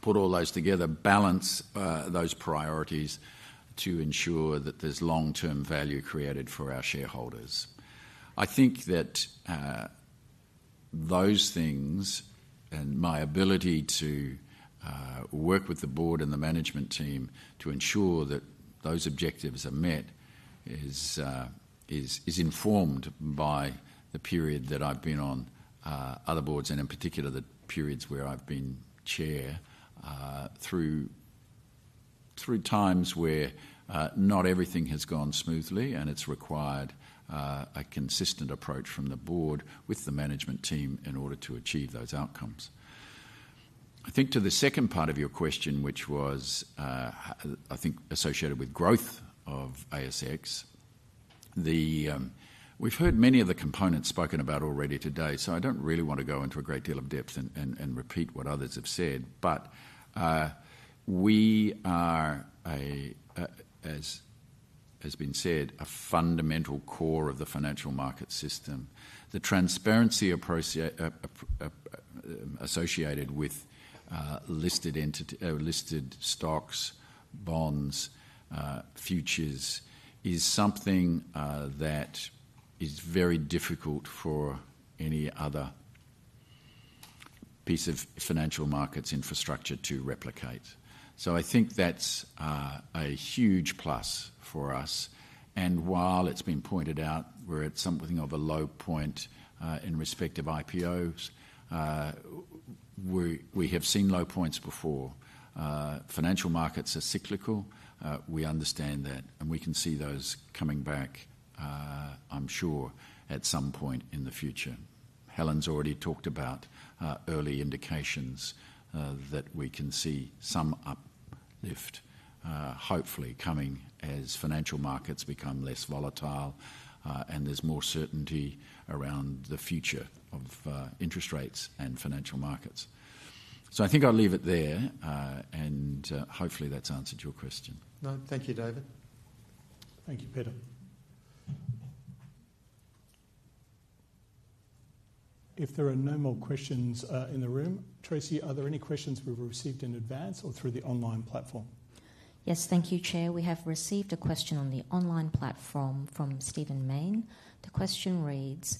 put all those together, balance those priorities to ensure that there's long-term value created for our shareholders. I think that those things and my ability to work with the board and the management team to ensure that those objectives are met is informed by the period that I've been on other boards, and in particular, the periods where I've been chair through times where not everything has gone smoothly, and it's required a consistent approach from the board with the management team in order to achieve those outcomes. I think to the second part of your question, which was I think associated with growth of ASX. We've heard many of the components spoken about already today, so I don't really want to go into a great deal of depth and repeat what others have said. But we are, as has been said, a fundamental core of the financial market system. The transparency associated with listed entity, listed stocks, bonds, futures, is something that is very difficult for any other piece of financial markets infrastructure to replicate. So I think that's a huge plus for us. And while it's been pointed out, we're at something of a low point in respect of IPOs, we have seen low points before. Financial markets are cyclical. We understand that, and we can see those coming back, I'm sure, at some point in the future. Helen's already talked about early indications that we can see some uplift, hopefully coming as financial markets become less volatile, and there's more certainty around the future of interest rates and financial markets. So I think I'll leave it there, and hopefully that's answered your question. No. Thank you, David. Thank you, Peter. If there are no more questions in the room, Tracy, are there any questions we've received in advance or through the online platform? Yes, thank you, Chair. We have received a question on the online platform from Stephen Mayne. The question reads: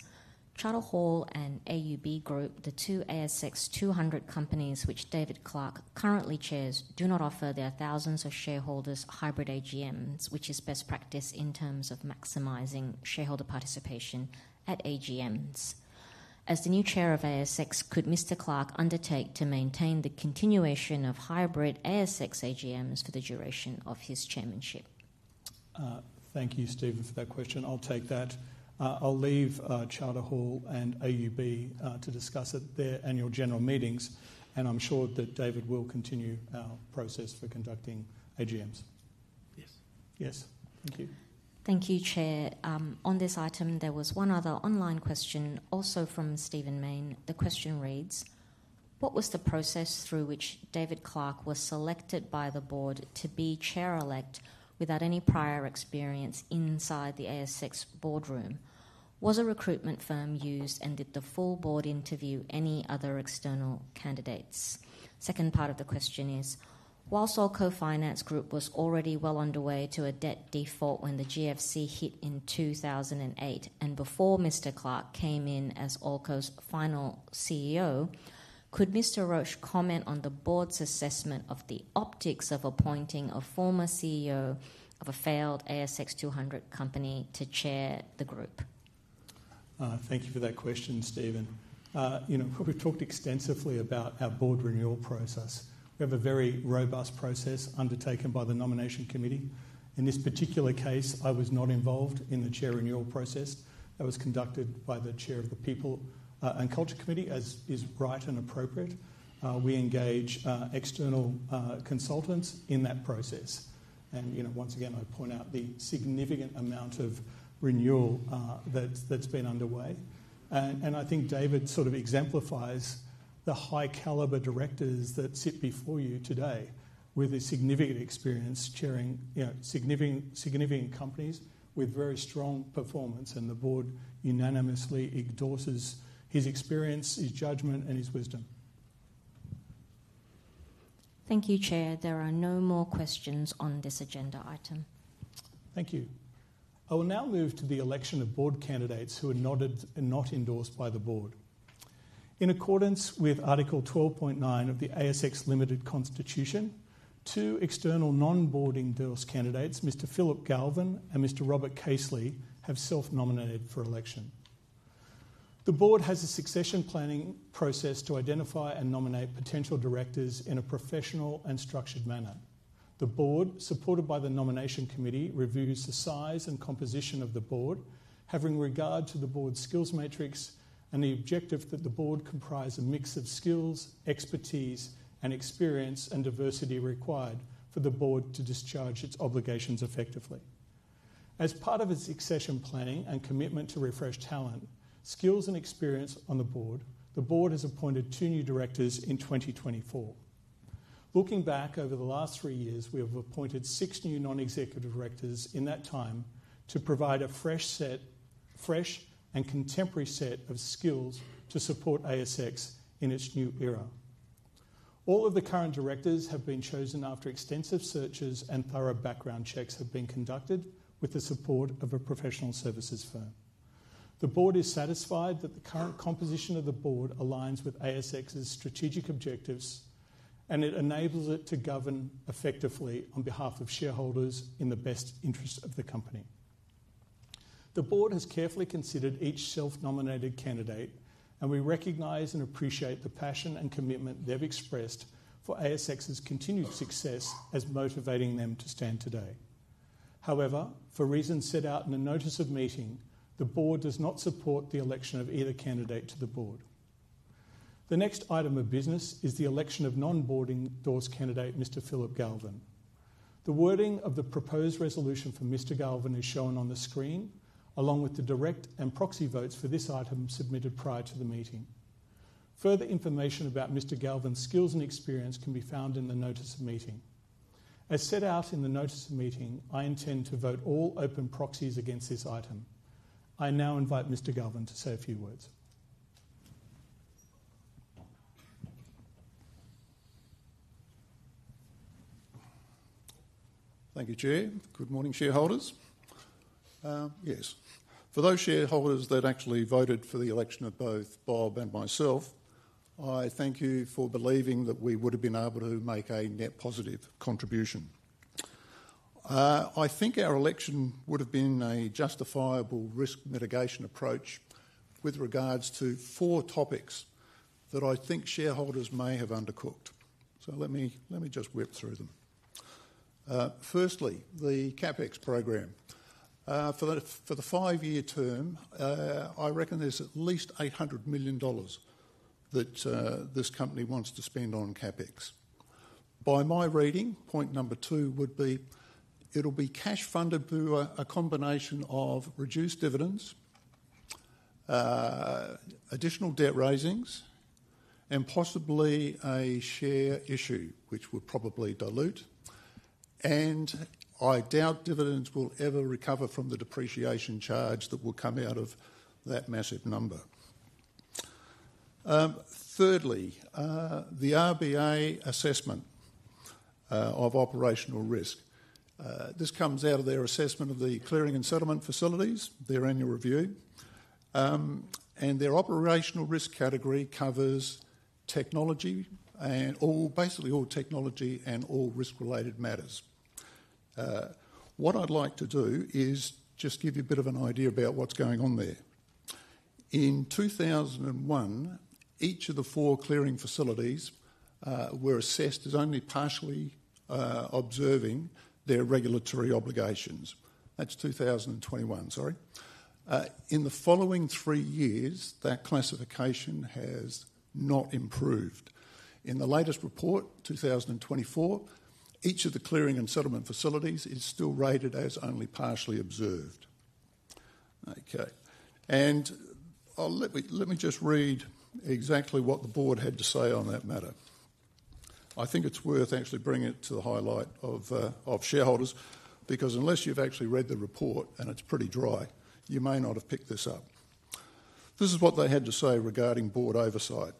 Charter Hall and AUB Group, the two ASX 200 companies, which David Clarke currently chairs, do not offer their thousands of shareholders hybrid AGMs, which is best practice in terms of maximizing shareholder participation at AGMs. As the new chair of ASX, could Mr. Clarke undertake to maintain the continuation of hybrid ASX AGMs for the duration of his chairmanship? Thank you, Stephen, for that question. I'll take that. I'll leave Charter Hall and AUB to discuss at their annual general meetings, and I'm sure that David will continue our process for conducting AGMs. Yes. Yes. Thank you. Thank you, Chair. On this item, there was one other online question, also from Stephen Mayne. The question reads: What was the process through which David Clarke was selected by the board to be chair-elect without any prior experience inside the ASX boardroom? Was a recruitment firm used, and did the full board interview any other external candidates? Second part of the question is: While Allco Finance Group was already well underway to a debt default when the GFC hit in two thousand and eight, and before Mr. Clarke came in as Allco's final CEO, could Mr. Roche comment on the board's assessment of the optics of appointing a former CEO of a failed ASX 200 company to chair the group? Thank you for that question, Stephen. You know, we've talked extensively about our board renewal process. We have a very robust process undertaken by the Nomination Committee. In this particular case, I was not involved in the chair renewal process. That was conducted by the chair of the People and Culture Committee, as is right and appropriate. We engage external consultants in that process. You know, once again, I point out the significant amount of renewal that's been underway. I think David sort of exemplifies the high caliber directors that sit before you today with a significant experience chairing, you know, significant companies with very strong performance, and the board unanimously endorses his experience, his judgment, and his wisdom. Thank you, Chair. There are no more questions on this agenda item. Thank you. I will now move to the election of board candidates who are not endorsed by the board. In accordance with Article twelve point nine of the ASX Limited Constitution, two external non-board endorsed candidates, Mr Philip Galvin and Mr Robert Casely, have self-nominated for election. The board has a succession planning process to identify and nominate potential directors in a professional and structured manner. The board, supported by the Nomination Committee, reviews the size and composition of the board, having regard to the board's skills matrix and the objective that the board comprise a mix of skills, expertise, and experience, and diversity required for the board to discharge its obligations effectively. As part of its succession planning and commitment to refresh talent, skills, and experience on the board, the board has appointed two new directors in 2024. Looking back over the last three years, we have appointed six new non-executive directors in that time to provide a fresh and contemporary set of skills to support ASX in its new era. All of the current directors have been chosen after extensive searches and thorough background checks have been conducted with the support of a professional services firm. The board is satisfied that the current composition of the board aligns with ASX's strategic objectives, and it enables it to govern effectively on behalf of shareholders in the best interest of the company. The board has carefully considered each self-nominated candidate, and we recognize and appreciate the passion and commitment they've expressed for ASX's continued success as motivating them to stand today. However, for reasons set out in the Notice of Meeting, the board does not support the election of either candidate to the board. The next item of business is the election of non-board endorsed candidate, Mr Philip Galvin. The wording of the proposed resolution for Mr Galvin is shown on the screen, along with the direct and proxy votes for this item submitted prior to the meeting. Further information about Mr Galvin's skills and experience can be found in the Notice of Meeting. As set out in the Notice of Meeting, I intend to vote all open proxies against this item. I now invite Mr Galvin to say a few words. Thank you, Chair. Good morning, shareholders. Yes, for those shareholders that actually voted for the election of both Bob and myself, I thank you for believing that we would have been able to make a net positive contribution. I think our election would have been a justifiable risk mitigation approach with regards to four topics that I think shareholders may have undercooked. So let me just whip through them. Firstly, the CapEx program. For the five-year term, I reckon there's at least 800 million dollars that this company wants to spend on CapEx. By my reading, point number two would be, it'll be cash funded through a combination of reduced dividends, additional debt raisings, and possibly a share issue, which would probably dilute, and I doubt dividends will ever recover from the depreciation charge that will come out of that massive number. Thirdly, the RBA assessment of operational risk. This comes out of their assessment of the clearing and settlement facilities, their annual review, and their operational risk category covers technology and basically all technology and all risk-related matters. What I'd like to do is just give you a bit of an idea about what's going on there. In two thousand and one, each of the four clearing facilities were assessed as only partially observing their regulatory obligations. That's 2021, sorry. In the following three years, that classification has not improved. In the latest report, 2024, each of the clearing and settlement facilities is still rated as only partially observed. Okay, and let me just read exactly what the board had to say on that matter. I think it's worth actually bringing it to the highlight of shareholders, because unless you've actually read the report, and it's pretty dry, you may not have picked this up. This is what they had to say regarding board oversight: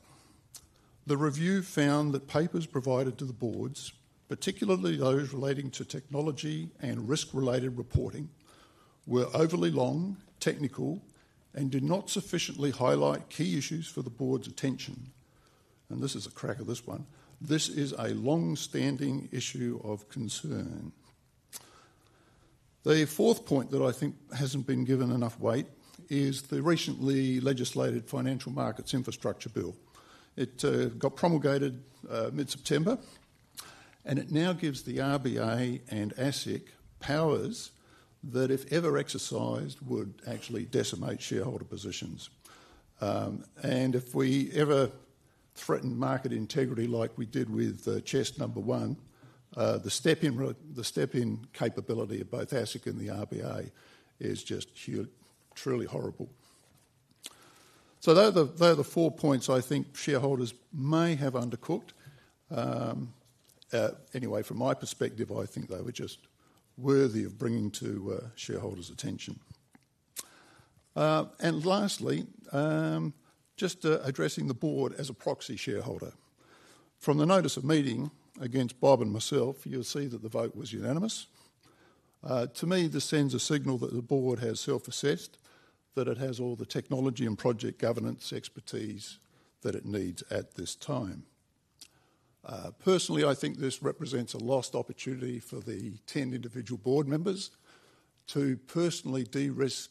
"The review found that papers provided to the boards, particularly those relating to technology and risk-related reporting, were overly long, technical, and did not sufficiently highlight key issues for the board's attention." This is a cracker, this one. This is a long-standing issue of concern." The fourth point that I think hasn't been given enough weight is the recently legislated Financial Market Infrastructure Bill. It got promulgated mid-September, and it now gives the RBA and ASIC powers that, if ever exercised, would actually decimate shareholder positions. And if we ever threaten market integrity like we did with CHESS Horizon One, the step-in capability of both ASIC and the RBA is just truly horrible. So they're the four points I think shareholders may have undercooked. Anyway, from my perspective, I think they were just worthy of bringing to shareholders' attention. And lastly, just addressing the board as a proxy shareholder. From the Notice of Meeting against Bob and myself, you'll see that the vote was unanimous. To me, this sends a signal that the board has self-assessed, that it has all the technology and project governance expertise that it needs at this time. Personally, I think this represents a lost opportunity for the ten individual board members to personally de-risk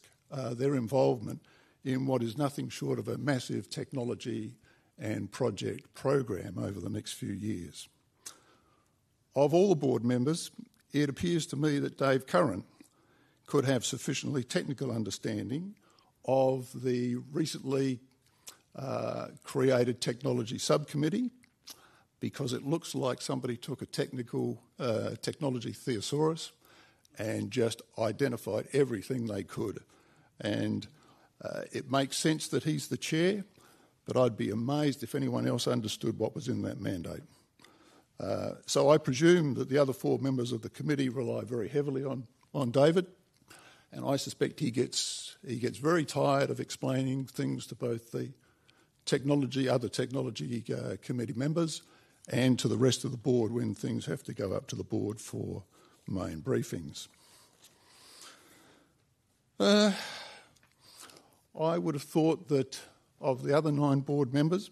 their involvement in what is nothing short of a massive technology and project program over the next few years. Of all the board members, it appears to me that Dave Curran could have sufficiently technical understanding of the recently created Technology Subcommittee, because it looks like somebody took a technical technology thesaurus and just identified everything they could, and it makes sense that he's the chair, but I'd be amazed if anyone else understood what was in that mandate. So I presume that the other four members of the committee rely very heavily on David, and I suspect he gets very tired of explaining things to both the technology, other technology committee members and to the rest of the board when things have to go up to the board for main briefings. I would have thought that of the other nine board members,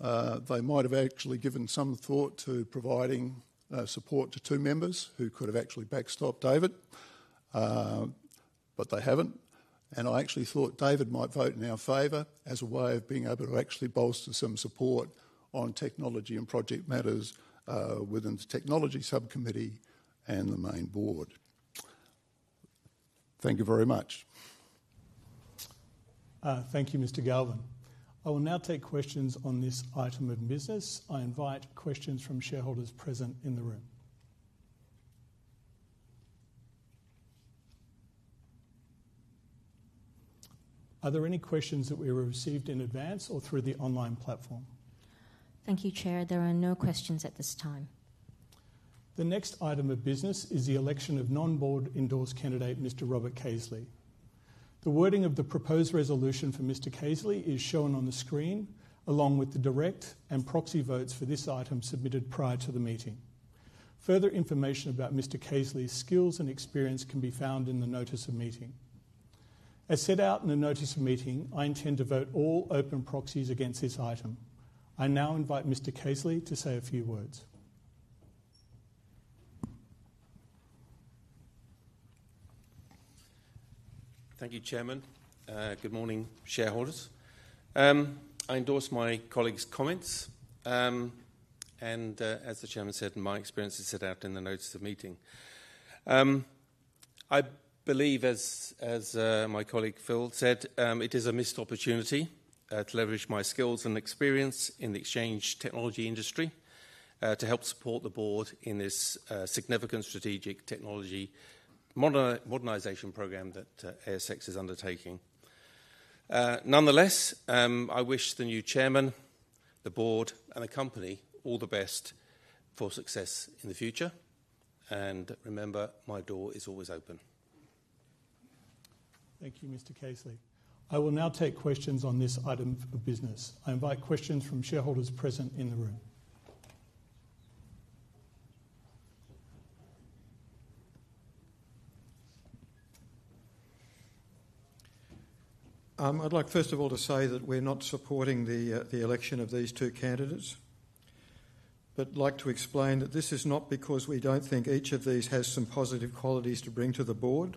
they might have actually given some thought to providing support to two members who could have actually backstopped David, but they haven't, and I actually thought David might vote in our favor as a way of being able to actually bolster some support on technology and project matters within the Technology Subcommittee and the main board. Thank you very much. Thank you, Mr. Galvin. I will now take questions on this item of business. I invite questions from shareholders present in the room. Are there any questions that we received in advance or through the online platform? Thank you, Chair. There are no questions at this time. The next item of business is the election of non-board endorsed candidate, Mr Robert Casely. ...The wording of the proposed resolution for Mr. Casely is shown on the screen, along with the direct and proxy votes for this item submitted prior to the meeting. Further information about Mr. Casely's skills and experience can be found in the Notice of Meeting. As set out in the Notice of Meeting, I intend to vote all open proxies against this item. I now invite Mr. Casely to say a few words. Thank you, Chairman. Good morning, shareholders. I endorse my colleague's comments, and as the chairman said, my experience is set out in the Notice of Meeting. I believe as my colleague Phil said, it is a missed opportunity to leverage my skills and experience in the exchange technology industry to help support the board in this significant strategic technology modernization program that ASX is undertaking. Nonetheless, I wish the new chairman, the board, and the company all the best for success in the future, and remember, my door is always open. Thank you, Mr. Casely. I will now take questions on this item of business. I invite questions from shareholders present in the room. I'd like, first of all, to say that we're not supporting the election of these two candidates, but I'd like to explain that this is not because we don't think each of these has some positive qualities to bring to the board,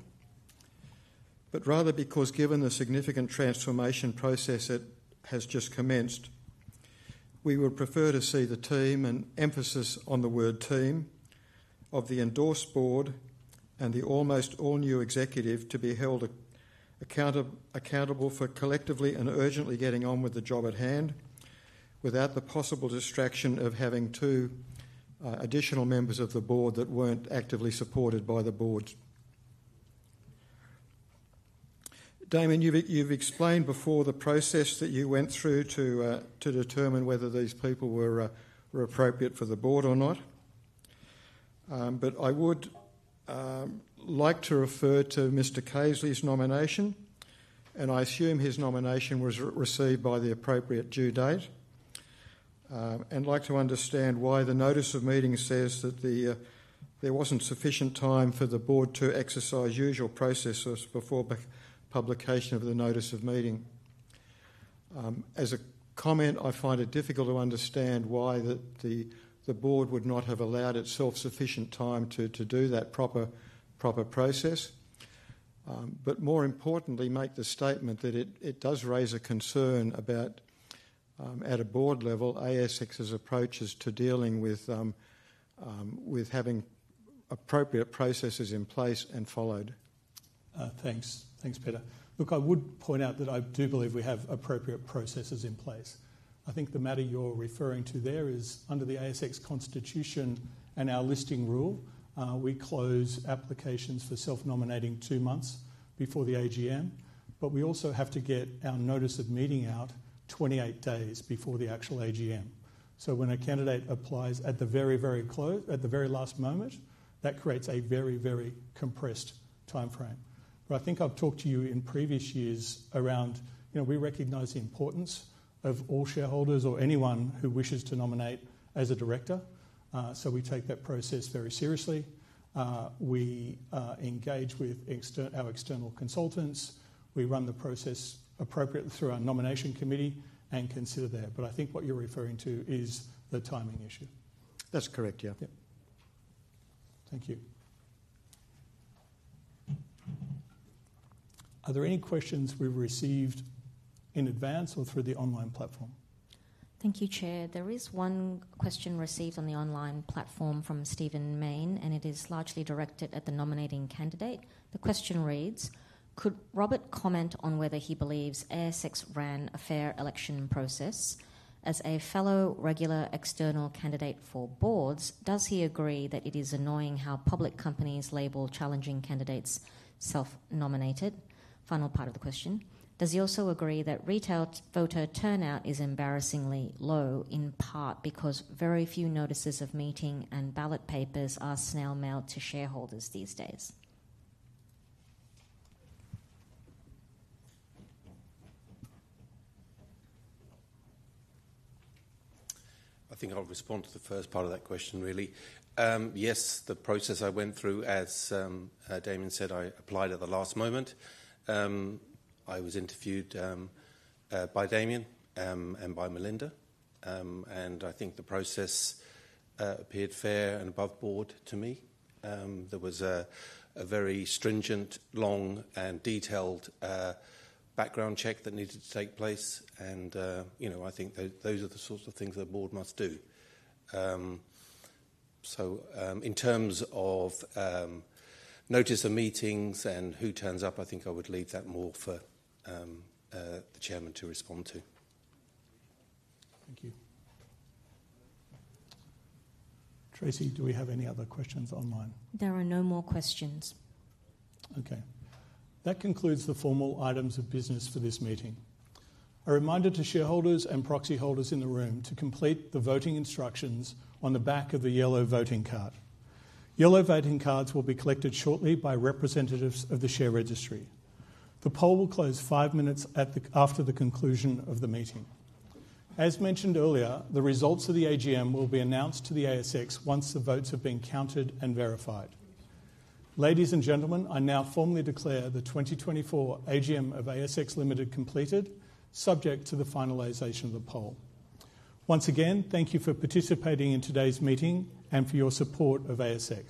but rather because given the significant transformation process that has just commenced, we would prefer to see the team, and emphasis on the word team, of the endorsed board and the almost all-new executive to be held accountable for collectively and urgently getting on with the job at hand, without the possible distraction of having two additional members of the board that weren't actively supported by the board. Damian, you've explained before the process that you went through to determine whether these people were appropriate for the board or not. But I would like to refer to Mr. Casely's nomination, and I assume his nomination was received by the appropriate due date. And I'd like to understand why the Notice of Meeting says that there wasn't sufficient time for the board to exercise usual processes before the publication of the Notice of Meeting. As a comment, I find it difficult to understand why the board would not have allowed itself sufficient time to do that proper process, but more importantly, make the statement that it does raise a concern about at a board level, ASX's approaches to dealing with having appropriate processes in place and followed. Thanks, Peter. Look, I would point out that I do believe we have appropriate processes in place. I think the matter you're referring to there is under the ASX constitution and our listing rule. We close applications for self-nominating two months before the AGM, but we also have to get our Notice of Meeting out 28 days before the actual AGM. So when a candidate applies at the very last moment, that creates a very, very compressed timeframe. But I think I've talked to you in previous years around, you know, we recognize the importance of all shareholders or anyone who wishes to nominate as a director, so we take that process very seriously. We engage with our external consultants. We run the process appropriately through our Nomination Committee and consider that. But I think what you're referring to is the timing issue. That's correct. Yeah. Thank you. Are there any questions we've received in advance or through the online platform? Thank you, Chair. There is one question received on the online platform from Stephen Mayne, and it is largely directed at the nominating candidate. The question reads: Could Robert comment on whether he believes ASX ran a fair election process? As a fellow regular external candidate for boards, does he agree that it is annoying how public companies label challenging candidates self-nominated? Final part of the question: Does he also agree that retail voter turnout is embarrassingly low, in part because very few notices of meeting and ballot papers are snail mailed to shareholders these days? I think I'll respond to the first part of that question, really. Yes, the process I went through, as Damian said, I applied at the last moment. I was interviewed by Damian and by Melinda, and I think the process appeared fair and above board to me. There was a very stringent, long, and detailed background check that needed to take place, and you know, I think those are the sorts of things the board must do. So, in terms of Notice of Meeting and who turns up, I think I would leave that more for the chairman to respond to. Thank you. Tracy, do we have any other questions online? There are no more questions. Okay. That concludes the formal items of business for this meeting. A reminder to shareholders and proxy holders in the room to complete the voting instructions on the back of the yellow voting card. Yellow voting cards will be collected shortly by representatives of the share registry. The poll will close five minutes after the conclusion of the meeting. As mentioned earlier, the results of the AGM will be announced to the ASX once the votes have been counted and verified. Ladies and gentlemen, I now formally declare the 2024 AGM of ASX Limited completed, subject to the finalization of the poll. Once again, thank you for participating in today's meeting and for your support of ASX.